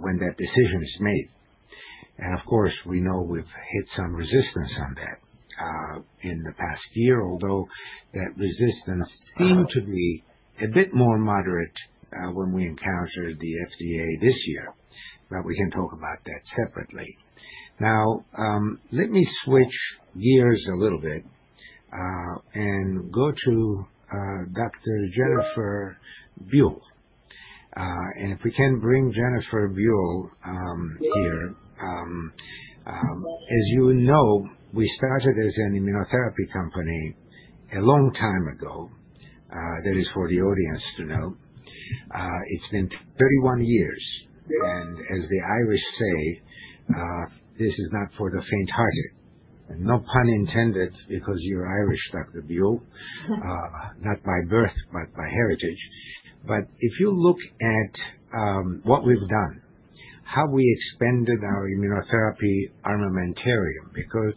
when that decision is made. And of course, we know we've hit some resistance on that in the past year, although that resistance seemed to be a bit more moderate when we encountered the FDA this year. But we can talk about that separately. Now, let me switch gears a little bit and go to Dr. Jennifer Buell. And if we can bring Jennifer Buell here. As you know, we started as an immunotherapy company a long time ago. That is for the audience to know. It's been 31 years. And as the Irish say, this is not for the faint-hearted. And no pun intended because you're Irish, Dr. Buell, not by birth, but by heritage. But if you look at what we've done, how we expanded our immunotherapy armamentarium, because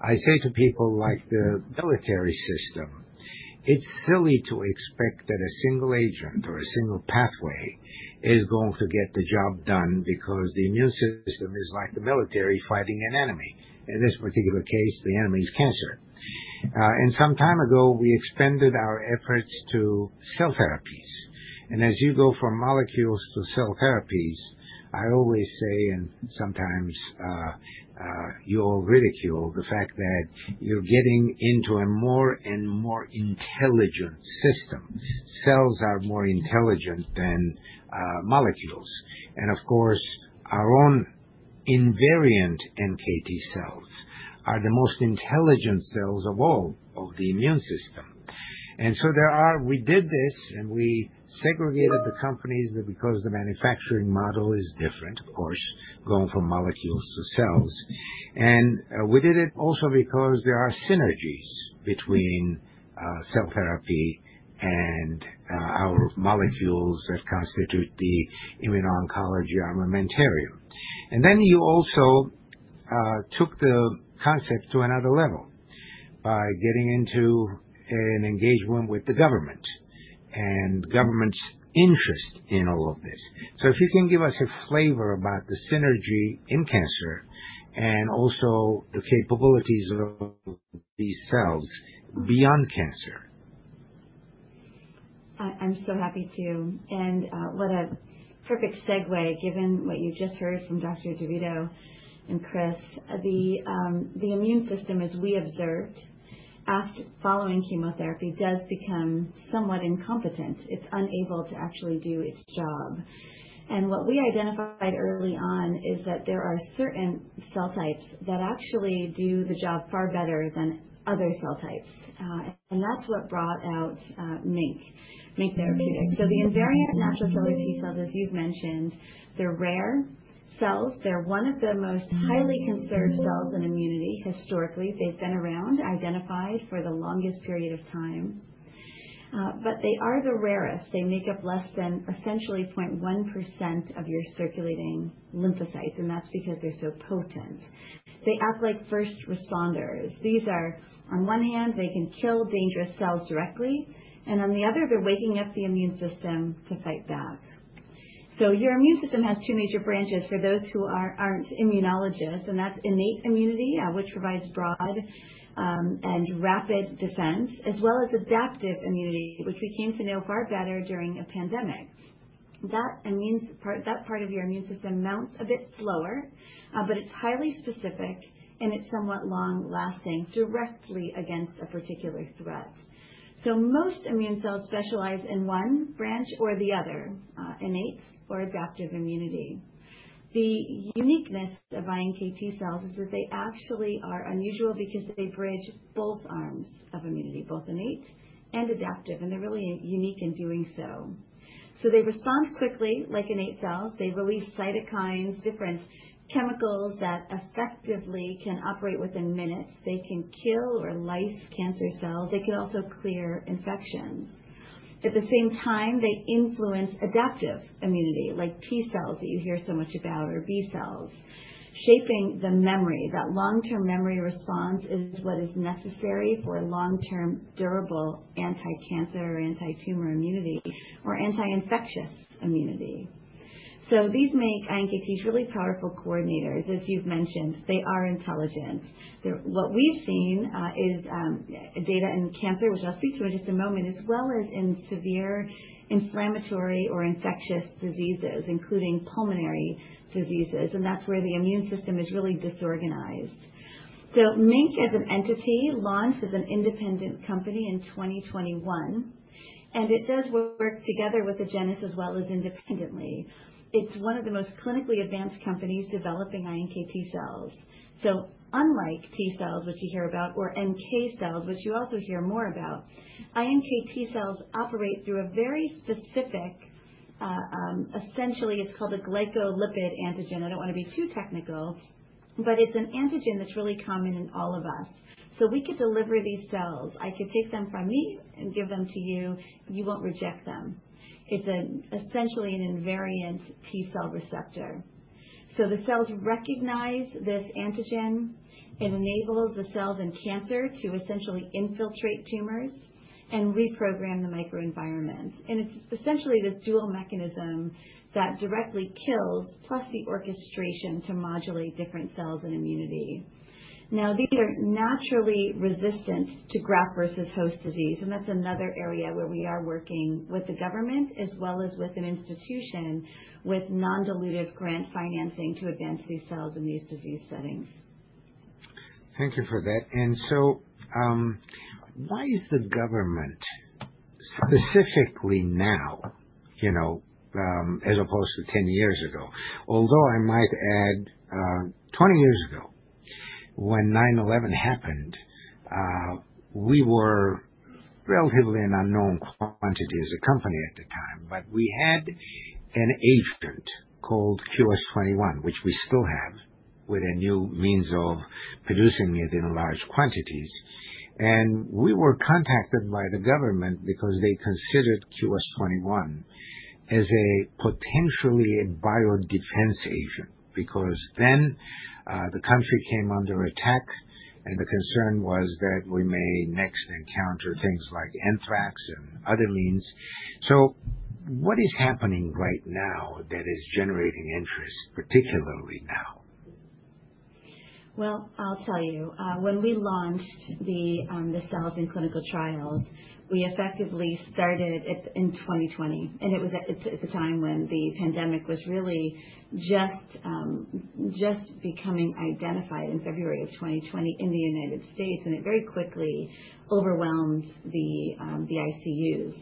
I say to people like the military system, it's silly to expect that a single agent or a single pathway is going to get the job done because the immune system is like the military fighting an enemy. In this particular case, the enemy is cancer. And some time ago, we expanded our efforts to cell therapies. And as you go from molecules to cell therapies, I always say, and sometimes you'll ridicule the fact that you're getting into a more and more intelligent system. Cells are more intelligent than molecules. And of course, our own invariant NKT cells are the most intelligent cells of all of the immune system. And so we did this, and we segregated the companies because the manufacturing model is different, of course, going from molecules to cells. And we did it also because there are synergies between cell therapy and our molecules that constitute the immuno-oncology armamentarium. And then you also took the concept to another level by getting into an engagement with the government and government's interest in all of this. So if you can give us a flavor about the synergy in cancer and also the capabilities of these cells beyond cancer. I'm so happy to. And what a perfect segue, given what you just heard from Dr. DeVito and Chris. The immune system, as we observed, following chemotherapy, does become somewhat incompetent. It's unable to actually do its job. And what we identified early on is that there are certain cell types that actually do the job far better than other cell types. And that's what brought out MiNK, MiNK Therapeutics. So the invariant natural killer T cells, as you've mentioned, they're rare cells. They're one of the most highly conserved cells in immunity historically. They've been around, identified for the longest period of time. But they are the rarest. They make up less than essentially 0.1% of your circulating lymphocytes. And that's because they're so potent. They act like first responders. These are, on one hand, they can kill dangerous cells directly. And on the other, they're waking up the immune system to fight back. So your immune system has two major branches for those who aren't immunologists. And that's innate immunity, which provides broad and rapid defense, as well as adaptive immunity, which we came to know far better during a pandemic. That part of your immune system mounts a bit slower, but it's highly specific, and it's somewhat long-lasting directly against a particular threat. So most immune cells specialize in one branch or the other, innate or adaptive immunity. The uniqueness of iNKT cells is that they actually are unusual because they bridge both arms of immunity, both innate and adaptive. And they're really unique in doing so. So they respond quickly, like innate cells. They release cytokines, different chemicals that effectively can operate within minutes. They can kill or lyse cancer cells. They can also clear infections. At the same time, they influence adaptive immunity, like T cells that you hear so much about or B cells, shaping the memory. That long-term memory response is what is necessary for long-term durable anti-cancer or anti-tumor immunity or anti-infectious immunity, so these make iNKTs really powerful coordinators, as you've mentioned. They are intelligent. What we've seen is data in cancer, which I'll speak to in just a moment, as well as in severe inflammatory or infectious diseases, including pulmonary diseases, and that's where the immune system is really disorganized, so MiNK, as an entity, launched as an independent company in 2021, and it does work together with Agenus as well as independently. It's one of the most clinically advanced companies developing iNKT cells. So unlike T cells, which you hear about, or NK cells, which you also hear more about, iNKT cells operate through a very specific, essentially, it's called a glycolipid antigen. I don't want to be too technical, but it's an antigen that's really common in all of us. So we could deliver these cells. I could take them from me and give them to you. You won't reject them. It's essentially an invariant T cell receptor. So the cells recognize this antigen. It enables the cells in cancer to essentially infiltrate tumors and reprogram the microenvironment. And it's essentially this dual mechanism that directly kills, plus the orchestration, to modulate different cells and immunity. Now, these are naturally resistant to graft-versus-host disease. And that's another area where we are working with the government as well as with an institution with non-dilutive grant financing to advance these cells in these disease settings. Thank you for that. And so why is the government specifically now, as opposed to 10 years ago? Although I might add, 20 years ago, when 9/11 happened, we were relatively an unknown quantity as a company at the time. But we had an agent called QS-21, which we still have with a new means of producing it in large quantities. And we were contacted by the government because they considered QS-21 as a potentially a biodefense agent because then the country came under attack. And the concern was that we may next encounter things like anthrax and other means. So what is happening right now that is generating interest, particularly now? I'll tell you. When we launched the cells in clinical trials, we effectively started in 2020. And it was at the time when the pandemic was really just becoming identified in February of 2020 in the United States. And it very quickly overwhelmed the ICUs.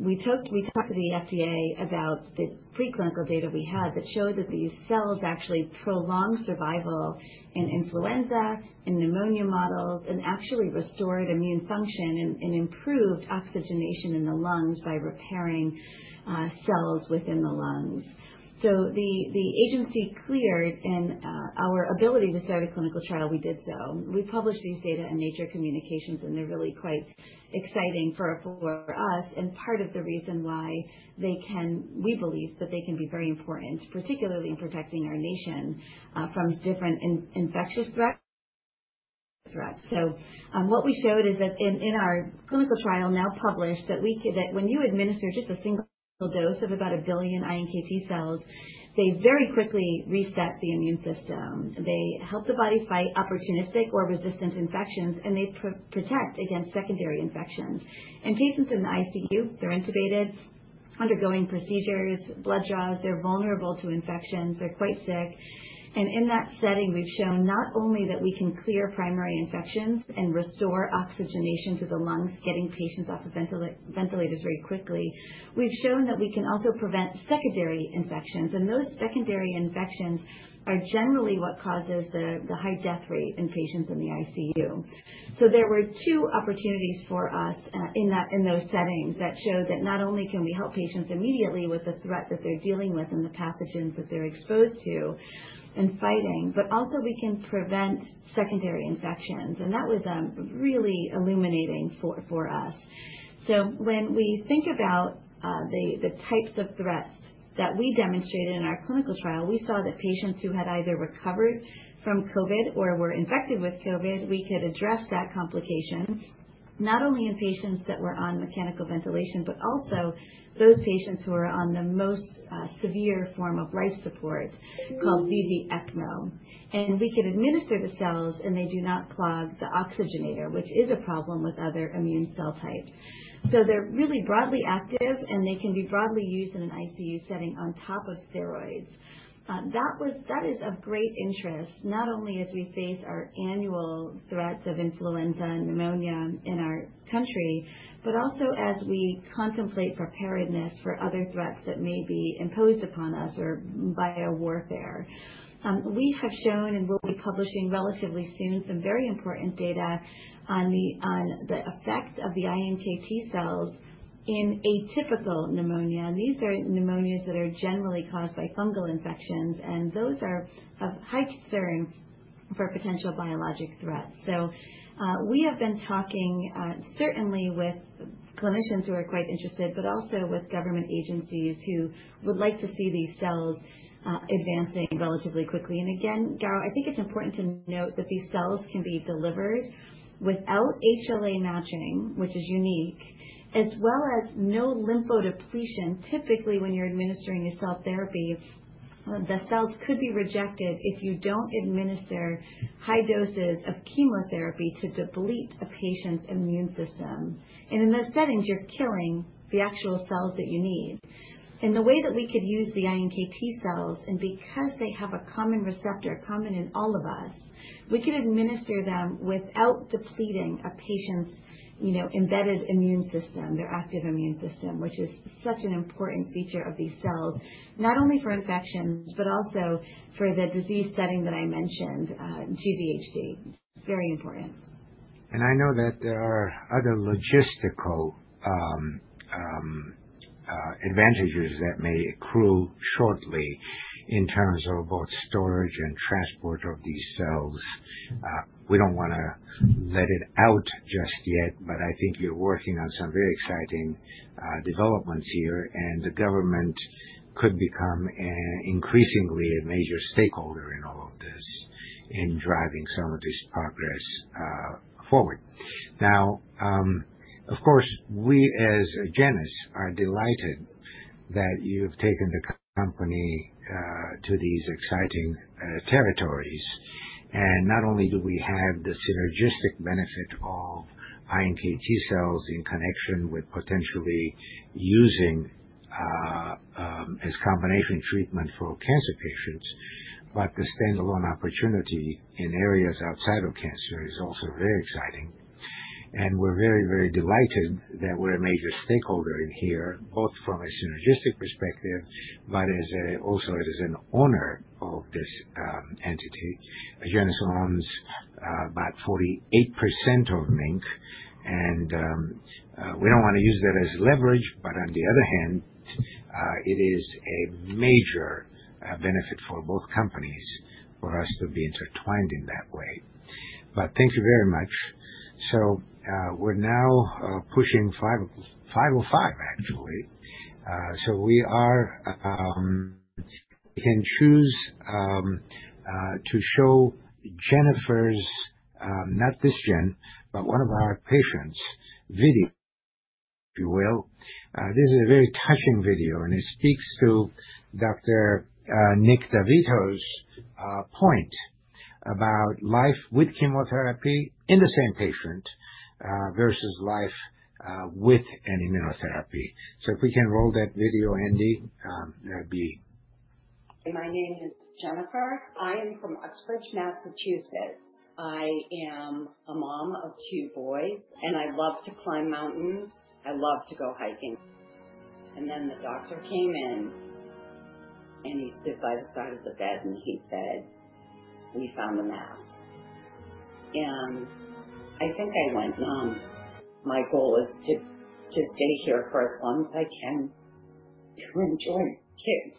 We talked to the FDA about the preclinical data we had that showed that these cells actually prolonged survival in influenza and pneumonia models and actually restored immune function and improved oxygenation in the lungs by repairing cells within the lungs. So the agency cleared our ability to start a clinical trial. We did so. We published these data in Nature Communications, and they're really quite exciting for us and part of the reason why they can, we believe, that they can be very important, particularly in protecting our nation from different infectious threats. So what we showed is that in our clinical trial now published, that when you administer just a single dose of about a billion iNKT cells, they very quickly reset the immune system. They help the body fight opportunistic or resistant infections, and they protect against secondary infections. And patients in the ICU, they're intubated, undergoing procedures, blood draws. They're vulnerable to infections. They're quite sick. And in that setting, we've shown not only that we can clear primary infections and restore oxygenation to the lungs, getting patients off of ventilators very quickly, we've shown that we can also prevent secondary infections. And those secondary infections are generally what causes the high death rate in patients in the ICU. There were two opportunities for us in those settings that showed that not only can we help patients immediately with the threat that they're dealing with and the pathogens that they're exposed to and fighting, but also we can prevent secondary infections. That was really illuminating for us. When we think about the types of threats that we demonstrated in our clinical trial, we saw that patients who had either recovered from COVID or were infected with COVID, we could address that complication not only in patients that were on mechanical ventilation, but also those patients who are on the most severe form of life support called VV ECMO. We could administer the cells, and they do not clog the oxygenator, which is a problem with other immune cell types. So they're really broadly active, and they can be broadly used in an ICU setting on top of steroids. That is of great interest, not only as we face our annual threats of influenza and pneumonia in our country, but also as we contemplate preparedness for other threats that may be imposed upon us or biowarfare. We have shown and will be publishing relatively soon some very important data on the effect of the iNKT cells in atypical pneumonia. And these are pneumonias that are generally caused by fungal infections. And those are of high concern for potential biologic threats. So we have been talking certainly with clinicians who are quite interested, but also with government agencies who would like to see these cells advancing relatively quickly. Again, Garo, I think it's important to note that these cells can be delivered without HLA matching, which is unique, as well as no lymphodepletion. Typically, when you're administering a cell therapy, the cells could be rejected if you don't administer high doses of chemotherapy to deplete a patient's immune system. And in those settings, you're killing the actual cells that you need. And the way that we could use the INKT cells, and because they have a common receptor, common in all of us, we could administer them without depleting a patient's embedded immune system, their active immune system, which is such an important feature of these cells, not only for infections, but also for the disease setting that I mentioned, GVHD. Very important. And I know that there are other logistical advantages that may accrue shortly in terms of both storage and transport of these cells. We don't want to let it out just yet, but I think you're working on some very exciting developments here. And the government could become increasingly a major stakeholder in all of this in driving some of this progress forward. Now, of course, we as Agenus are delighted that you have taken the company to these exciting territories. And not only do we have the synergistic benefit of iNKT cells in connection with potentially using as combination treatment for cancer patients, but the standalone opportunity in areas outside of cancer is also very exciting. And we're very, very delighted that we're a major stakeholder in here, both from a synergistic perspective, but also as an owner of this entity. Agenus owns about 48% of MiNK. We don't want to use that as leverage, but on the other hand, it is a major benefit for both companies for us to be intertwined in that way. But thank you very much. We're now pushing 505, actually. We can choose to show Jennifer's, not this Jen, but one of our patients, video, if you will. This is a very touching video. It speaks to Dr. Nicholas DeVito's point about life with chemotherapy in the same patient versus life with an immunotherapy. If we can roll that video, Andy, that'd be. My name is Jennifer. I am from Uxbridge, Massachusetts. I am a mom of two boys. And I love to climb mountains. I love to go hiking. And then the doctor came in. And he stood by the side of the bed. And he said, "We found a mass." And I think I went, "No, my goal is to stay here for as long as I can to enjoy kids."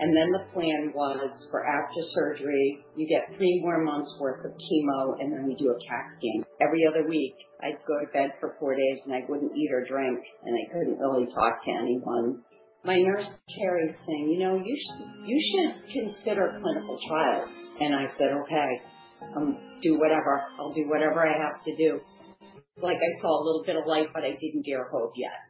And then the plan was for after surgery, you get three more months' worth of chemo, and then we do a CAT scan. Every other week, I'd go to bed for four days, and I wouldn't eat or drink. And I couldn't really talk to anyone. My nurse, Terry, is saying, "You should consider clinical trials." And I said, "Okay. Do whatever. I'll do whatever I have to do." Like, I saw a little bit of light, but I didn't dare hope yet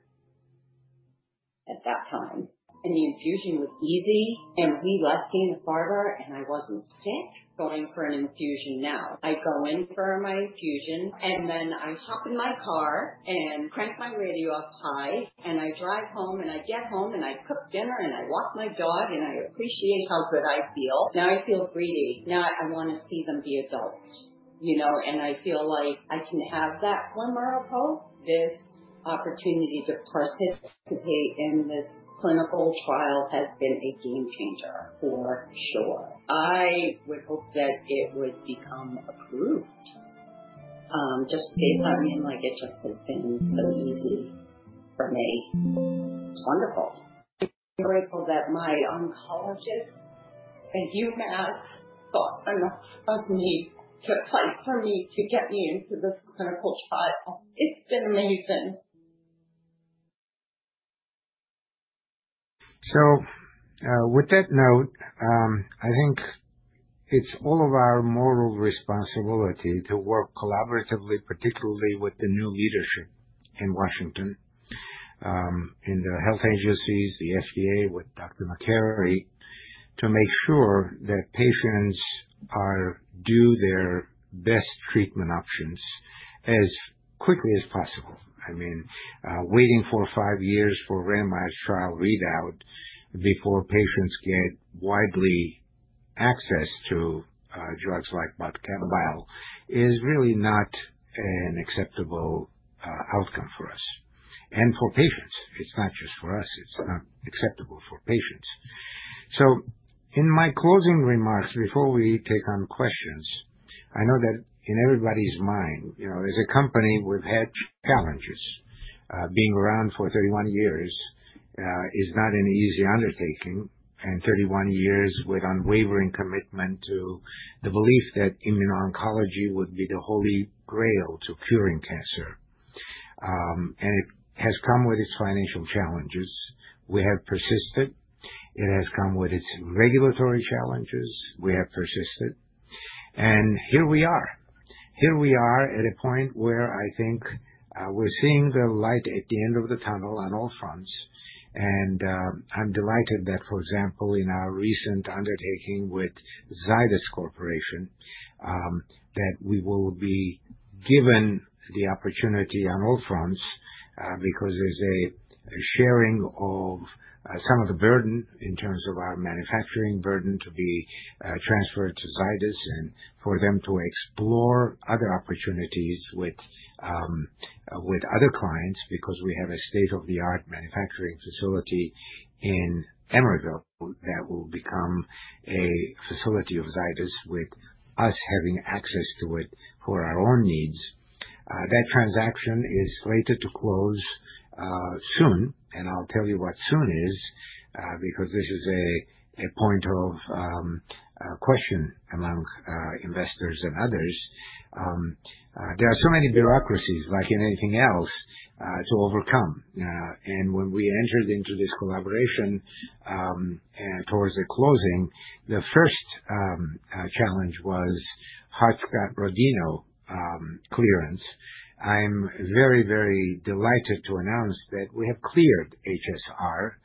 at that time, and the infusion was easy, and we left being a farmer, and I wasn't sick going for an infusion now. I go in for my infusion, and then I hop in my car and crank my radio up high, and I drive home, and I get home, and I cook dinner, and I walk my dog, and I appreciate how good I feel. Now I feel greedy. Now I want to see them be adults, and I feel like I can have that glimmer of hope. This opportunity to participate in this clinical trial has been a game changer, for sure. I would hope that it would become approved. Just based on it, it just has been so easy for me. It's wonderful. I'm grateful that my oncologist, thank you, Matt, thought enough of me to fight for me to get me into this clinical trial. It's been amazing. So with that note, I think it's all of our moral responsibility to work collaboratively, particularly with the new leadership in Washington, in the health agencies, the FDA with Dr. Makary, to make sure that patients do their best treatment options as quickly as possible. I mean, waiting for 5 years for a randomized trial readout before patients get wide access to drugs like botensilimab and balstilimab is really not an acceptable outcome for us. And for patients, it's not just for us. It's not acceptable for patients. So in my closing remarks before we take on questions, I know that in everybody's mind, as a company, we've had challenges. Being around for 31 years is not an easy undertaking. And 31 years with unwavering commitment to the belief that immuno-oncology would be the holy grail to curing cancer. And it has come with its financial challenges. We have persisted. It has come with its regulatory challenges. We have persisted. And here we are. Here we are at a point where I think we're seeing the light at the end of the tunnel on all fronts. And I'm delighted that, for example, in our recent undertaking with Zydus Lifesciences, that we will be given the opportunity on all fronts because there's a sharing of some of the burden in terms of our manufacturing burden to be transferred to Zydus and for them to explore other opportunities with other clients because we have a state-of-the-art manufacturing facility in Emeryville that will become a facility of Zydus with us having access to it for our own needs. That transaction is slated to close soon. And I'll tell you what soon is because this is a point of question among investors and others. There are so many bureaucracies, like in anything else, to overcome, and when we entered into this collaboration towards the closing, the first challenge was Hart-Scott-Rodino clearance. I'm very, very delighted to announce that we have cleared HSR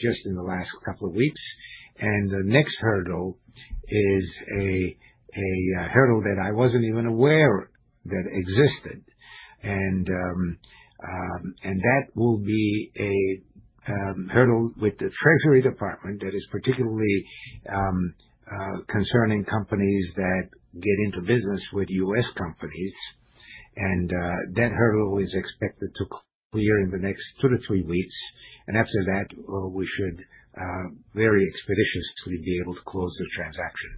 just in the last couple of weeks, and the next hurdle is a hurdle that I wasn't even aware that existed. That will be a hurdle with the Treasury Department that is particularly concerning companies that get into business with U.S. companies, and that hurdle is expected to clear in the next two to three weeks. After that, we should very expeditiously be able to close the transaction,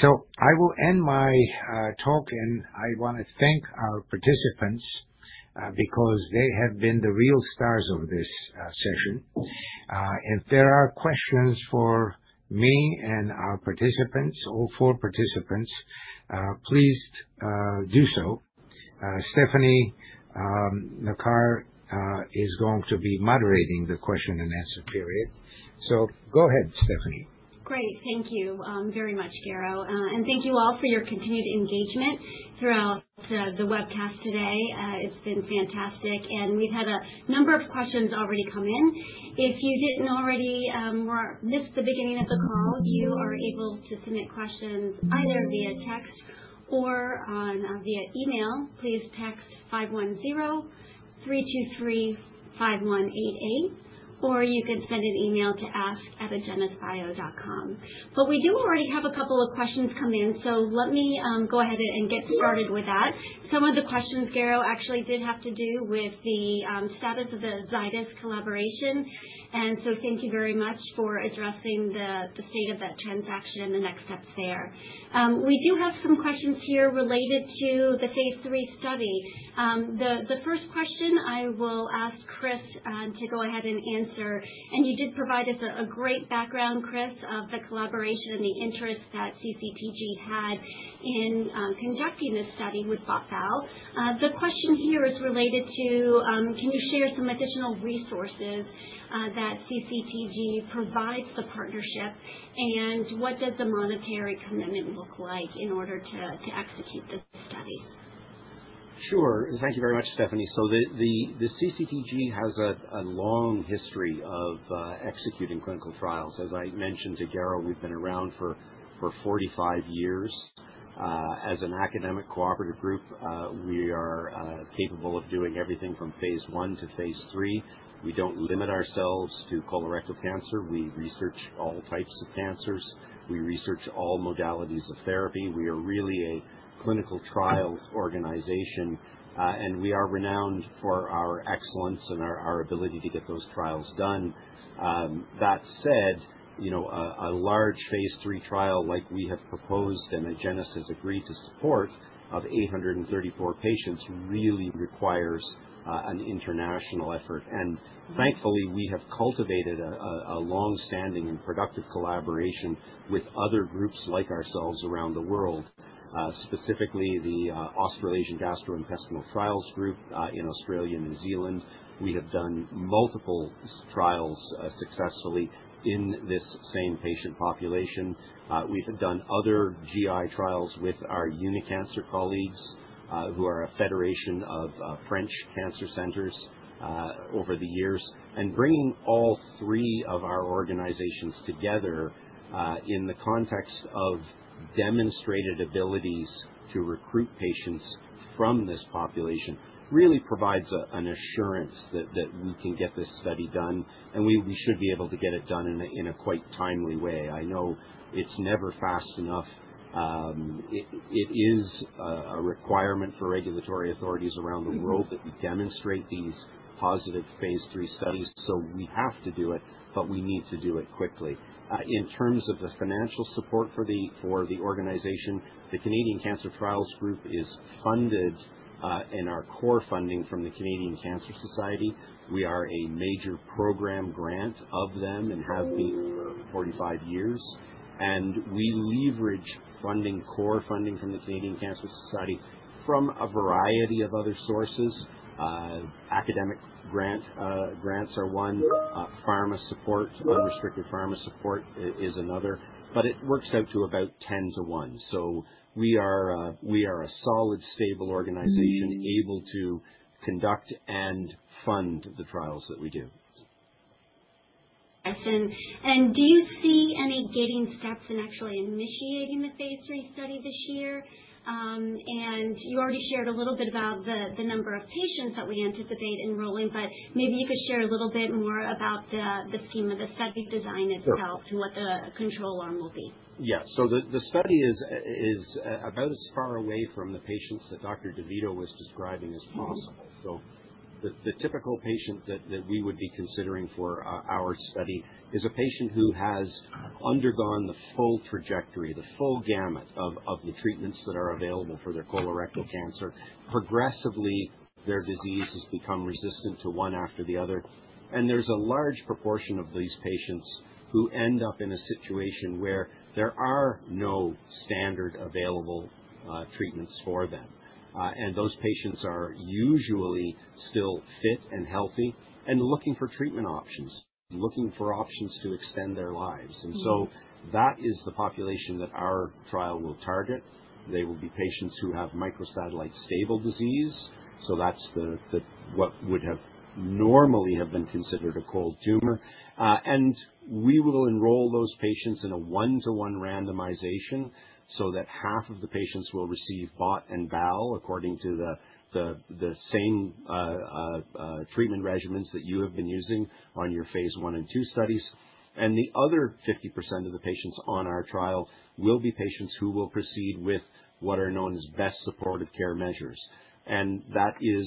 so I will end my talk. I want to thank our participants because they have been the real stars of this session. If there are questions for me and our participants, all four participants, please do so. Stephanie Nakar is going to be moderating the question and answer period. So go ahead, Stephanie. Great. Thank you very much, Garo, and thank you all for your continued engagement throughout the webcast today. It's been fantastic, and we've had a number of questions already come in. If you didn't already miss the beginning of the call, you are able to submit questions either via text or via email. Please text 510-323-5188. Or you can send an email to ask@agenusbio.com. But we do already have a couple of questions come in. So let me go ahead and get started with that. Some of the questions, Garo, actually did have to do with the status of the Zydus collaboration. And so thank you very much for addressing the state of that transaction and the next steps there. We do have some questions here related to the phase III study. The first question, I will ask Chris to go ahead and answer. And you did provide us a great background, Chris, of the collaboration and the interest that CCTG had in conducting this study with BOT/BAL. The question here is related to, can you share some additional resources that CCTG provides the partnership? And what does the monetary commitment look like in order to execute this study? Sure. Thank you very much, Stephanie. The CCTG has a long history of executing clinical trials. As I mentioned to Garo, we've been around for 45 years. As an academic cooperative group, we are capable of doing everything from phase I to phase III. We don't limit ourselves to colorectal cancer. We research all types of cancers. We research all modalities of therapy. We are really a clinical trial organization. We are renowned for our excellence and our ability to get those trials done. That said, a large phase III trial like we have proposed and that Agenus has agreed to support, of 834 patients, really requires an international effort. Thankfully, we have cultivated a longstanding and productive collaboration with other groups like ourselves around the world, specifically the Australasian Gastrointestinal Trials Group in Australia and New Zealand. We have done multiple trials successfully in this same patient population. We've done other GI trials with our Unicancer colleagues who are a federation of French cancer centers over the years. And bringing all three of our organizations together in the context of demonstrated abilities to recruit patients from this population really provides an assurance that we can get this study done. And we should be able to get it done in a quite timely way. I know it's never fast enough. It is a requirement for regulatory authorities around the world that we demonstrate these positive phase III studies. So we have to do it, but we need to do it quickly. In terms of the financial support for the organization, the Canadian Cancer Trials Group is funded in our core funding from the Canadian Cancer Society. We are a major program grantee of them and have been for 45 years. We leverage funding, core funding from the Canadian Cancer Society from a variety of other sources. Academic grants are one. Pharma support, unrestricted pharma support is another, but it works out to about 10-1. We are a solid, stable organization able to conduct and fund the trials that we do. I see. And do you see any gating steps in actually initiating the phase III study this year? And you already shared a little bit about the number of patients that we anticipate enrolling. But maybe you could share a little bit more about the scheme of the study design itself and what the control arm will be. Yeah. So the study is about as far away from the patients that Dr. DeVito was describing as possible. So the typical patient that we would be considering for our study is a patient who has undergone the full trajectory, the full gamut of the treatments that are available for their colorectal cancer. Progressively, their disease has become resistant to one after the other. And there's a large proportion of these patients who end up in a situation where there are no standard available treatments for them. And those patients are usually still fit and healthy and looking for treatment options, looking for options to extend their lives. And so that is the population that our trial will target. They will be patients who have microsatellite stable disease. So that's what would have normally been considered a cold tumor. We will enroll those patients in a one-to-one randomization so that half of the patients will receive bot and bal according to the same treatment regimens that you have been using on your phase I and II studies. The other 50% of the patients on our trial will be patients who will proceed with what are known as best supportive care measures. That is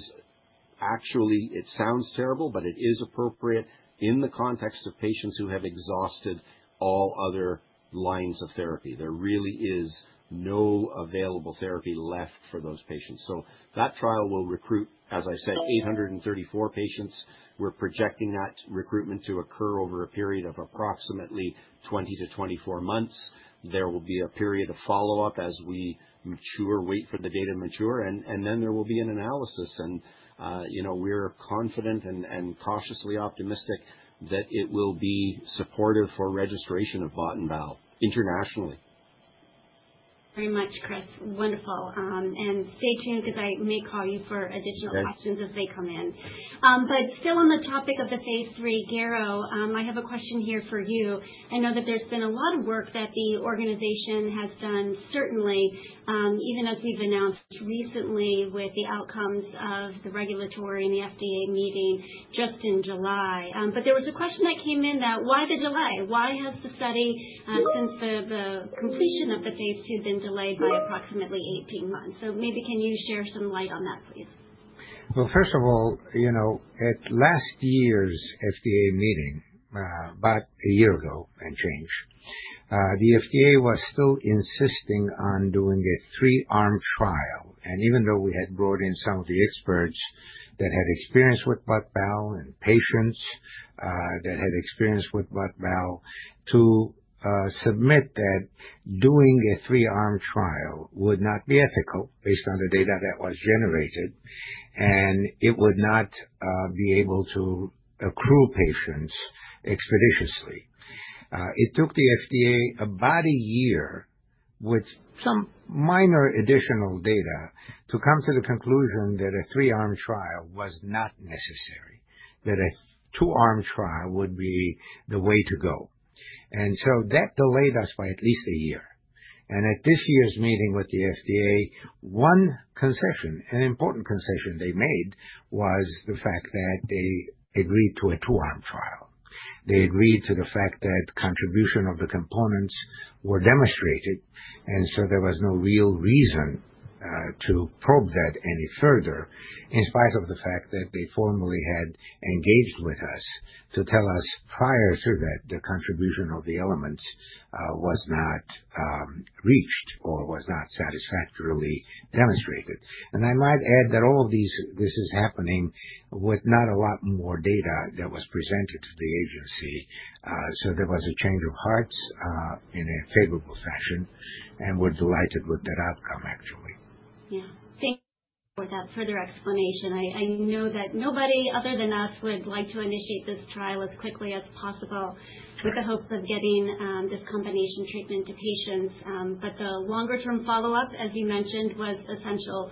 actually, it sounds terrible, but it is appropriate in the context of patients who have exhausted all other lines of therapy. There really is no available therapy left for those patients. That trial will recruit, as I said, 834 patients. We're projecting that recruitment to occur over a period of approximately 20-24 months. There will be a period of follow-up as we mature, wait for the data to mature. Then there will be an analysis. We're confident and cautiously optimistic that it will be supportive for registration of bot and bal internationally. Very much, Chris. Wonderful. And stay tuned because I may call you for additional questions as they come in. But still on the topic of the phase III, Garo, I have a question here for you. I know that there's been a lot of work that the organization has done, certainly, even as we've announced recently with the outcomes of the regulatory and the FDA meeting just in July. But there was a question that came in that, why the July? Why has the study, since the completion of the phase II, been delayed by approximately 18 months? So maybe can you shed some light on that, please? First of all, at last year's FDA meeting, about a year ago and change, the FDA was still insisting on doing a three-arm trial. Even though we had brought in some of the experts that had experience with BOT/BAL and patients that had experience with BOT/BAL to submit that doing a three-arm trial would not be ethical based on the data that was generated. It would not be able to accrue patients expeditiously. It took the FDA about a year with some minor additional data to come to the conclusion that a three-arm trial was not necessary, that a two-arm trial would be the way to go. That delayed us by at least a year. At this year's meeting with the FDA, one concession, an important concession they made, was the fact that they agreed to a two-arm trial. They agreed to the fact that contribution of the components were demonstrated. And so there was no real reason to probe that any further in spite of the fact that they formerly had engaged with us to tell us prior to that the contribution of the elements was not reached or was not satisfactorily demonstrated. And I might add that all of this is happening with not a lot more data that was presented to the agency. So there was a change of hearts in a favorable fashion. And we're delighted with that outcome, actually. Yeah. Thank you for that further explanation. I know that nobody other than us would like to initiate this trial as quickly as possible with the hopes of getting this combination treatment to patients. But the longer-term follow-up, as you mentioned, was essential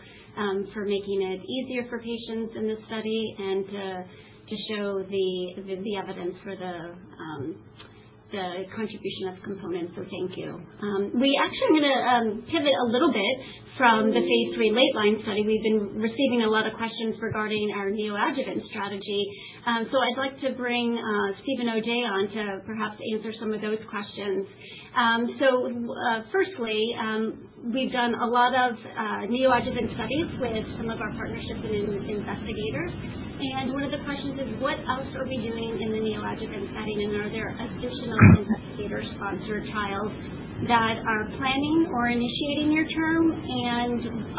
for making it easier for patients in this study and to show the evidence for the contribution of components. So thank you. We actually are going to pivot a little bit from the phase III late-line study. We've been receiving a lot of questions regarding our neoadjuvant strategy. So I'd like to bring Steven O'Day on to perhaps answer some of those questions. So firstly, we've done a lot of neoadjuvant studies with some of our partnerships and investigators. And one of the questions is, what else are we doing in the neoadjuvant setting? And are there additional investigator-sponsored trials that are planning or initiating yet?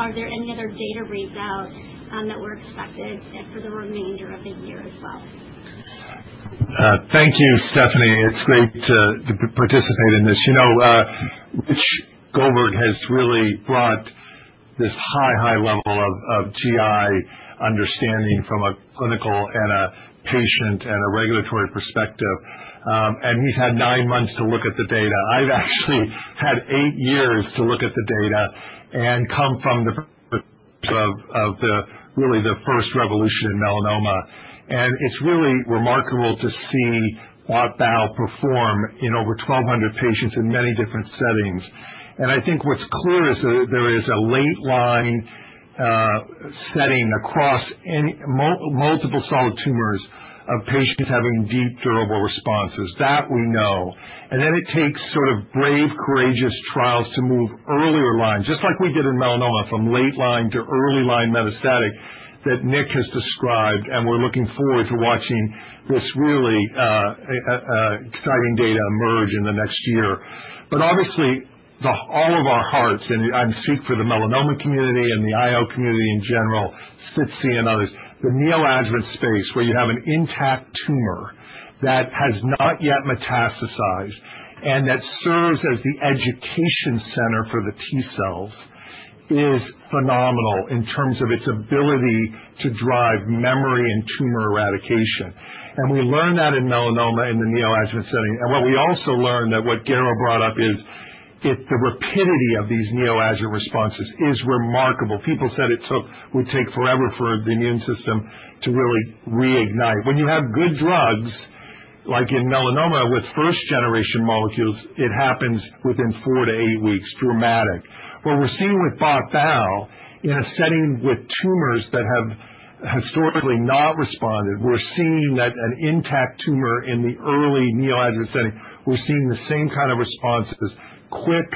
Are there any other data readouts that we expect for the remainder of the year as well? Thank you, Stephanie. It's great to participate in this. Rich Goldberg has really brought this high, high level of GI understanding from a clinical and a patient and a regulatory perspective. And he's had 9 months to look at the data. I've actually had 8 years to look at the data and come from really the first revolution in melanoma. And it's really remarkable to see BOT/BAL perform in over 1,200 patients in many different settings. And I think what's clear is that there is a late-line setting across multiple solid tumors of patients having deep durable responses. That we know. And then it takes sort of brave, courageous trials to move earlier lines, just like we did in melanoma, from late-line to early-line metastatic that Nick has described. And we're looking forward to watching this really exciting data emerge in the next year. But obviously all of our hearts, and I'm speaking for the melanoma community and the IO community in general, SITC and others, the neoadjuvant space where you have an intact tumor that has not yet metastasized and that serves as the education center for the T cells is phenomenal in terms of its ability to drive memory and tumor eradication. And we learned that in melanoma in the neoadjuvant setting. And what we also learned that what Garo brought up is the rapidity of these neoadjuvant responses is remarkable. People said it would take forever for the immune system to really reignite. When you have good drugs like in melanoma with first-generation molecules, it happens within four to eight weeks, dramatic. What we're seeing with BOT/BAL in a setting with tumors that have historically not responded. We're seeing that an intact tumor in the early neoadjuvant setting. We're seeing the same kind of responses: quick,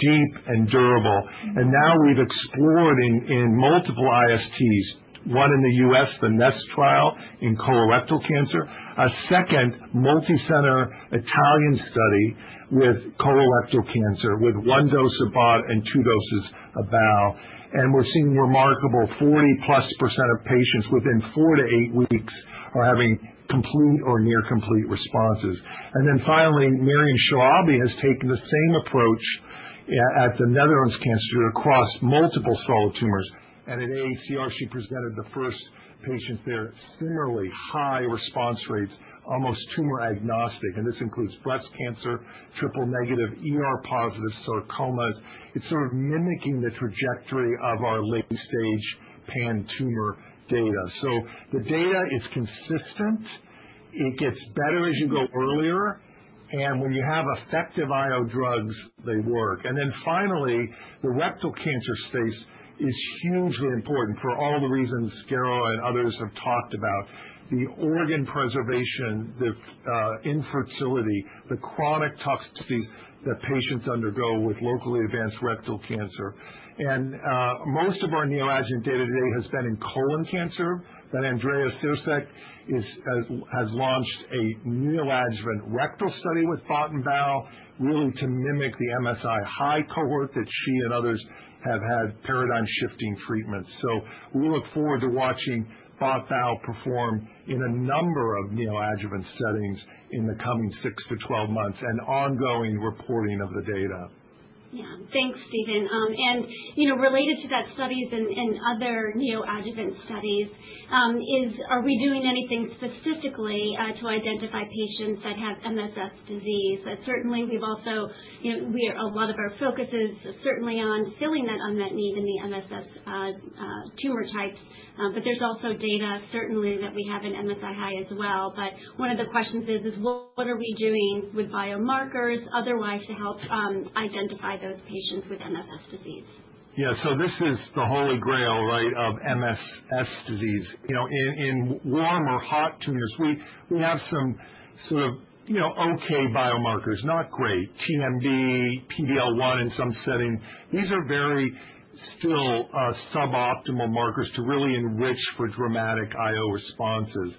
deep, and durable. Now we've explored in multiple ISTs, one in the U.S., the NEST trial in colorectal cancer, a second multicenter Italian study with colorectal cancer with one dose of bot and two doses of bal. We're seeing remarkable 40+% of patients within four to eight weeks are having complete or near-complete responses. Then finally, Myriam Chalabi has taken the same approach at the Netherlands Cancer Institute across multiple solid tumors. At AACR, she presented the first patients there at similarly high response rates, almost tumor agnostic. This includes breast cancer, triple-negative, ER-positive sarcomas. It's sort of mimicking the trajectory of our late-stage pan-tumor data. So the data is consistent. It gets better as you go earlier. And when you have effective IO drugs, they work. And then finally, the rectal cancer space is hugely important for all the reasons Garo and others have talked about: the organ preservation, the infertility, the chronic toxicities that patients undergo with locally advanced rectal cancer. And most of our neoadjuvant data today has been in colon cancer. But Andrea Cercek has launched a neoadjuvant rectal study with bot and bal really to mimic the MSI high cohort that she and others have had paradigm-shifting treatments. So we look forward to watching BOT/BAL perform in a number of neoadjuvant settings in the coming 6-12 months and ongoing reporting of the data. Yeah. Thanks, Steven. And related to that studies and other neoadjuvant studies, are we doing anything specifically to identify patients that have MSS disease? Certainly, we've also a lot of our focus is certainly on filling that unmet need in the MSS tumor types. But there's also data certainly that we have in MSI high as well. But one of the questions is, what are we doing with biomarkers otherwise to help identify those patients with MSS disease? Yeah. So this is the holy grail, right, of MSS disease. In warm or hot tumors, we have some sort of okay biomarkers, not great: TMB, PD-L1 in some settings. These are very still suboptimal markers to really enrich for dramatic IO responses.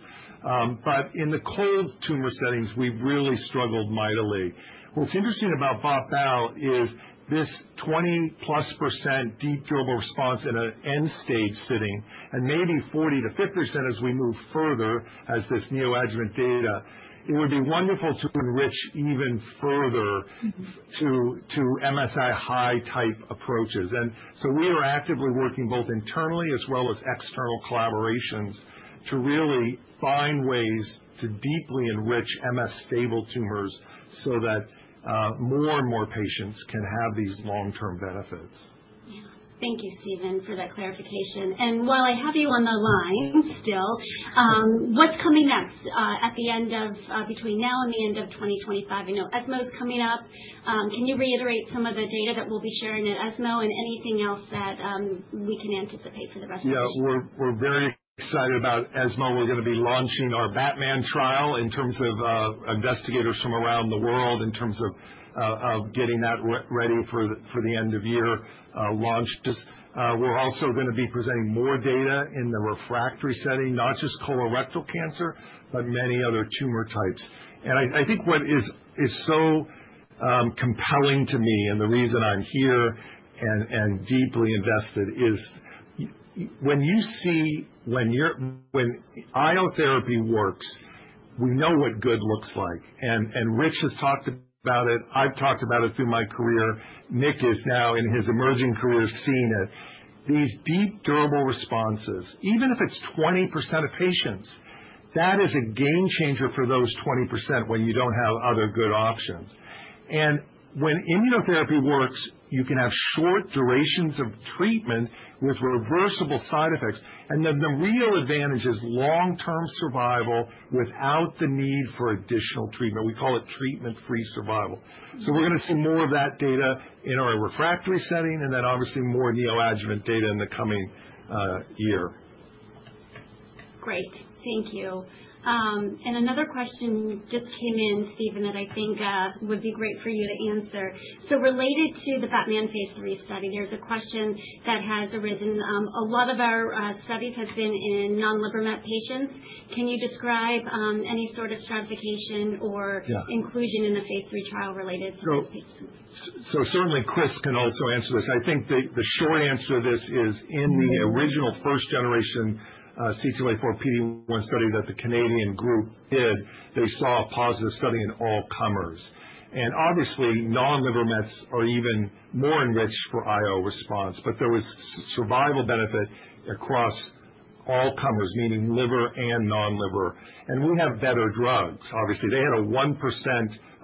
But in the cold tumor settings, we've really struggled mightily. What's interesting about BOT/BAL is this 20+% deep durable response in an end-stage setting and maybe 40%-50% as we move further as this neoadjuvant data. It would be wonderful to enrich even further to MSI-H-type approaches. And so we are actively working both internally as well as external collaborations to really find ways to deeply enrich MSS tumors so that more and more patients can have these long-term benefits. Yeah. Thank you, Steven, for that clarification. While I have you on the line still, what's coming next between now and the end of 2025? I know ESMO is coming up. Can you reiterate some of the data that we'll be sharing at ESMO and anything else that we can anticipate for the rest of this year? Yeah. We're very excited about ESMO. We're going to be launching our basket trial in terms of investigators from around the world in terms of getting that ready for the end of year launch. We're also going to be presenting more data in the refractory setting, not just colorectal cancer, but many other tumor types. And I think what is so compelling to me and the reason I'm here and deeply invested is when you see IO therapy works, we know what good looks like, and Rich has talked about it. I've talked about it through my career. Nick is now in his emerging career seeing it. These deep durable responses, even if it's 20% of patients, that is a game changer for those 20% when you don't have other good options, and when immunotherapy works, you can have short durations of treatment with reversible side effects. Then the real advantage is long-term survival without the need for additional treatment. We call it treatment-free survival. We're going to see more of that data in our refractory setting and then obviously more neoadjuvant data in the coming year. Great. Thank you. And another question just came in, Steven, that I think would be great for you to answer. So related to the BOT/BAL phase III study, there's a question that has arisen. A lot of our studies have been in non-liver met patients. Can you describe any sort of stratification or inclusion in the phase III trial related to these patients? Certainly, Chris can also answer this. I think the short answer to this is in the original first-generation CTLA4 PD-1 study that the Canadian group did. They saw a positive study in all comers. Obviously, non-liver mets are even more enriched for IO response. But there was survival benefit across all comers, meaning liver and non-liver. We have better drugs. Obviously, they had a 1%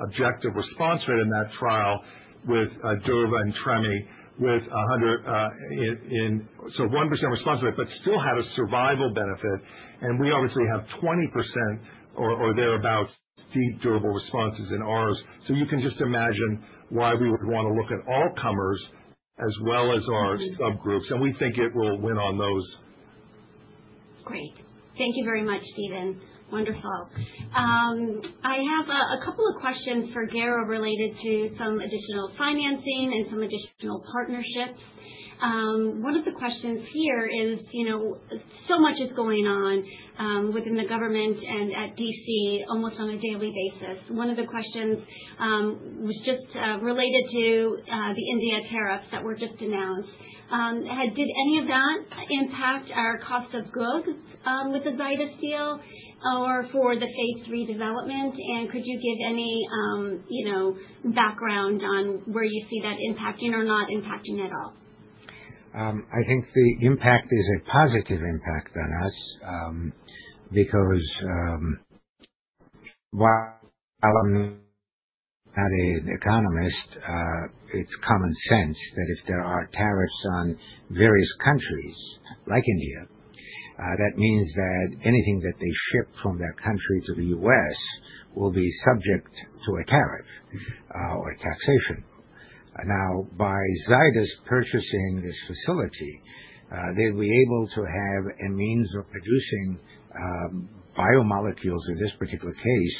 objective response rate in that trial with Durva and Treme, with n=100, so 1% response rate, but still had a survival benefit. We obviously have 20% or thereabouts deep durable responses in ours. You can just imagine why we would want to look at all comers as well as our subgroups. We think it will win on those. Great. Thank you very much, Steven. Wonderful. I have a couple of questions for Garo related to some additional financing and some additional partnerships. One of the questions here is so much is going on within the government and at DC almost on a daily basis. One of the questions was just related to the India tariffs that were just announced. Did any of that impact our cost of goods with the Zydus deal or for the phase III development? And could you give any background on where you see that impacting or not impacting at all? I think the impact is a positive impact on us because while I'm not an economist, it's common sense that if there are tariffs on various countries like India, that means that anything that they ship from their country to the U.S. will be subject to a tariff or taxation. Now, by Zydus purchasing this facility, they'll be able to have a means of producing biomolecules in this particular case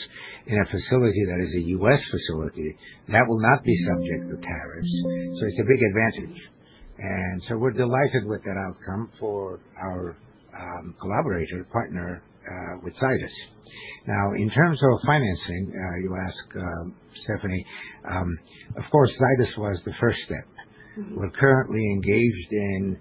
in a facility that is a U.S. facility that will not be subject to tariffs. So it's a big advantage, and so we're delighted with that outcome for our collaborator partner with Zydus. Now, in terms of financing, you ask Stephanie, of course, Zydus was the first step. We're currently engaged in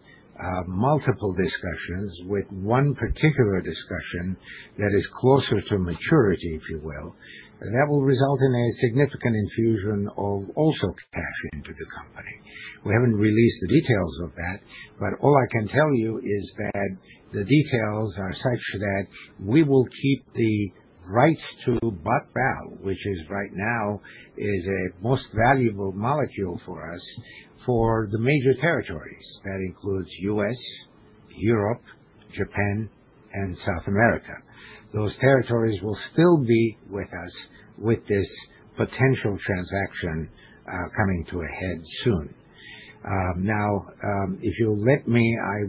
multiple discussions with one particular discussion that is closer to maturity, if you will, that will result in a significant infusion of also cash into the company. We haven't released the details of that. But all I can tell you is that the details are such that we will keep the right to BOT/BAL, which right now is a most valuable molecule for us for the major territories. That includes U.S., Europe, Japan, and South America. Those territories will still be with us with this potential transaction coming to a head soon. Now, if you'll let me, I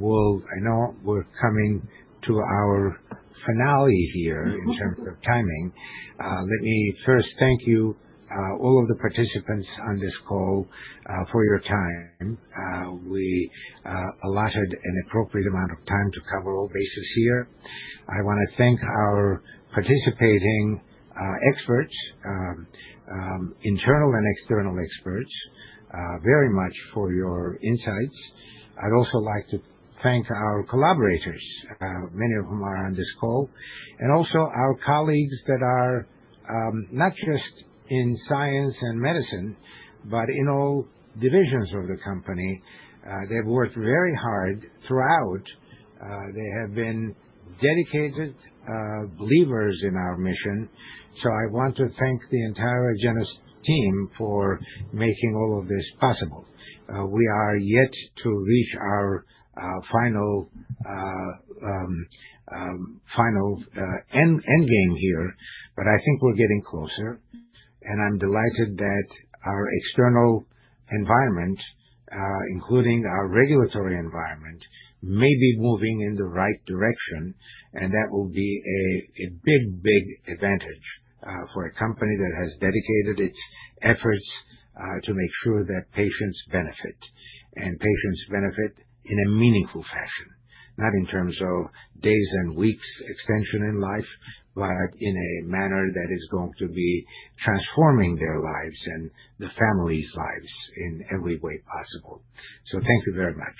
know we're coming to our finale here in terms of timing. Let me first thank you, all of the participants on this call, for your time. We allotted an appropriate amount of time to cover all bases here. I want to thank our participating experts, internal and external experts, very much for your insights. I'd also like to thank our collaborators, many of whom are on this call, and also our colleagues that are not just in science and medicine, but in all divisions of the company. They've worked very hard throughout. They have been dedicated believers in our mission. So I want to thank the entire Agenus team for making all of this possible. We are yet to reach our final end game here, but I think we're getting closer, and I'm delighted that our external environment, including our regulatory environment, may be moving in the right direction. That will be a big, big advantage for a company that has dedicated its efforts to make sure that patients benefit and patients benefit in a meaningful fashion, not in terms of days and weeks extension in life, but in a manner that is going to be transforming their lives and the families' lives in every way possible. Thank you very much.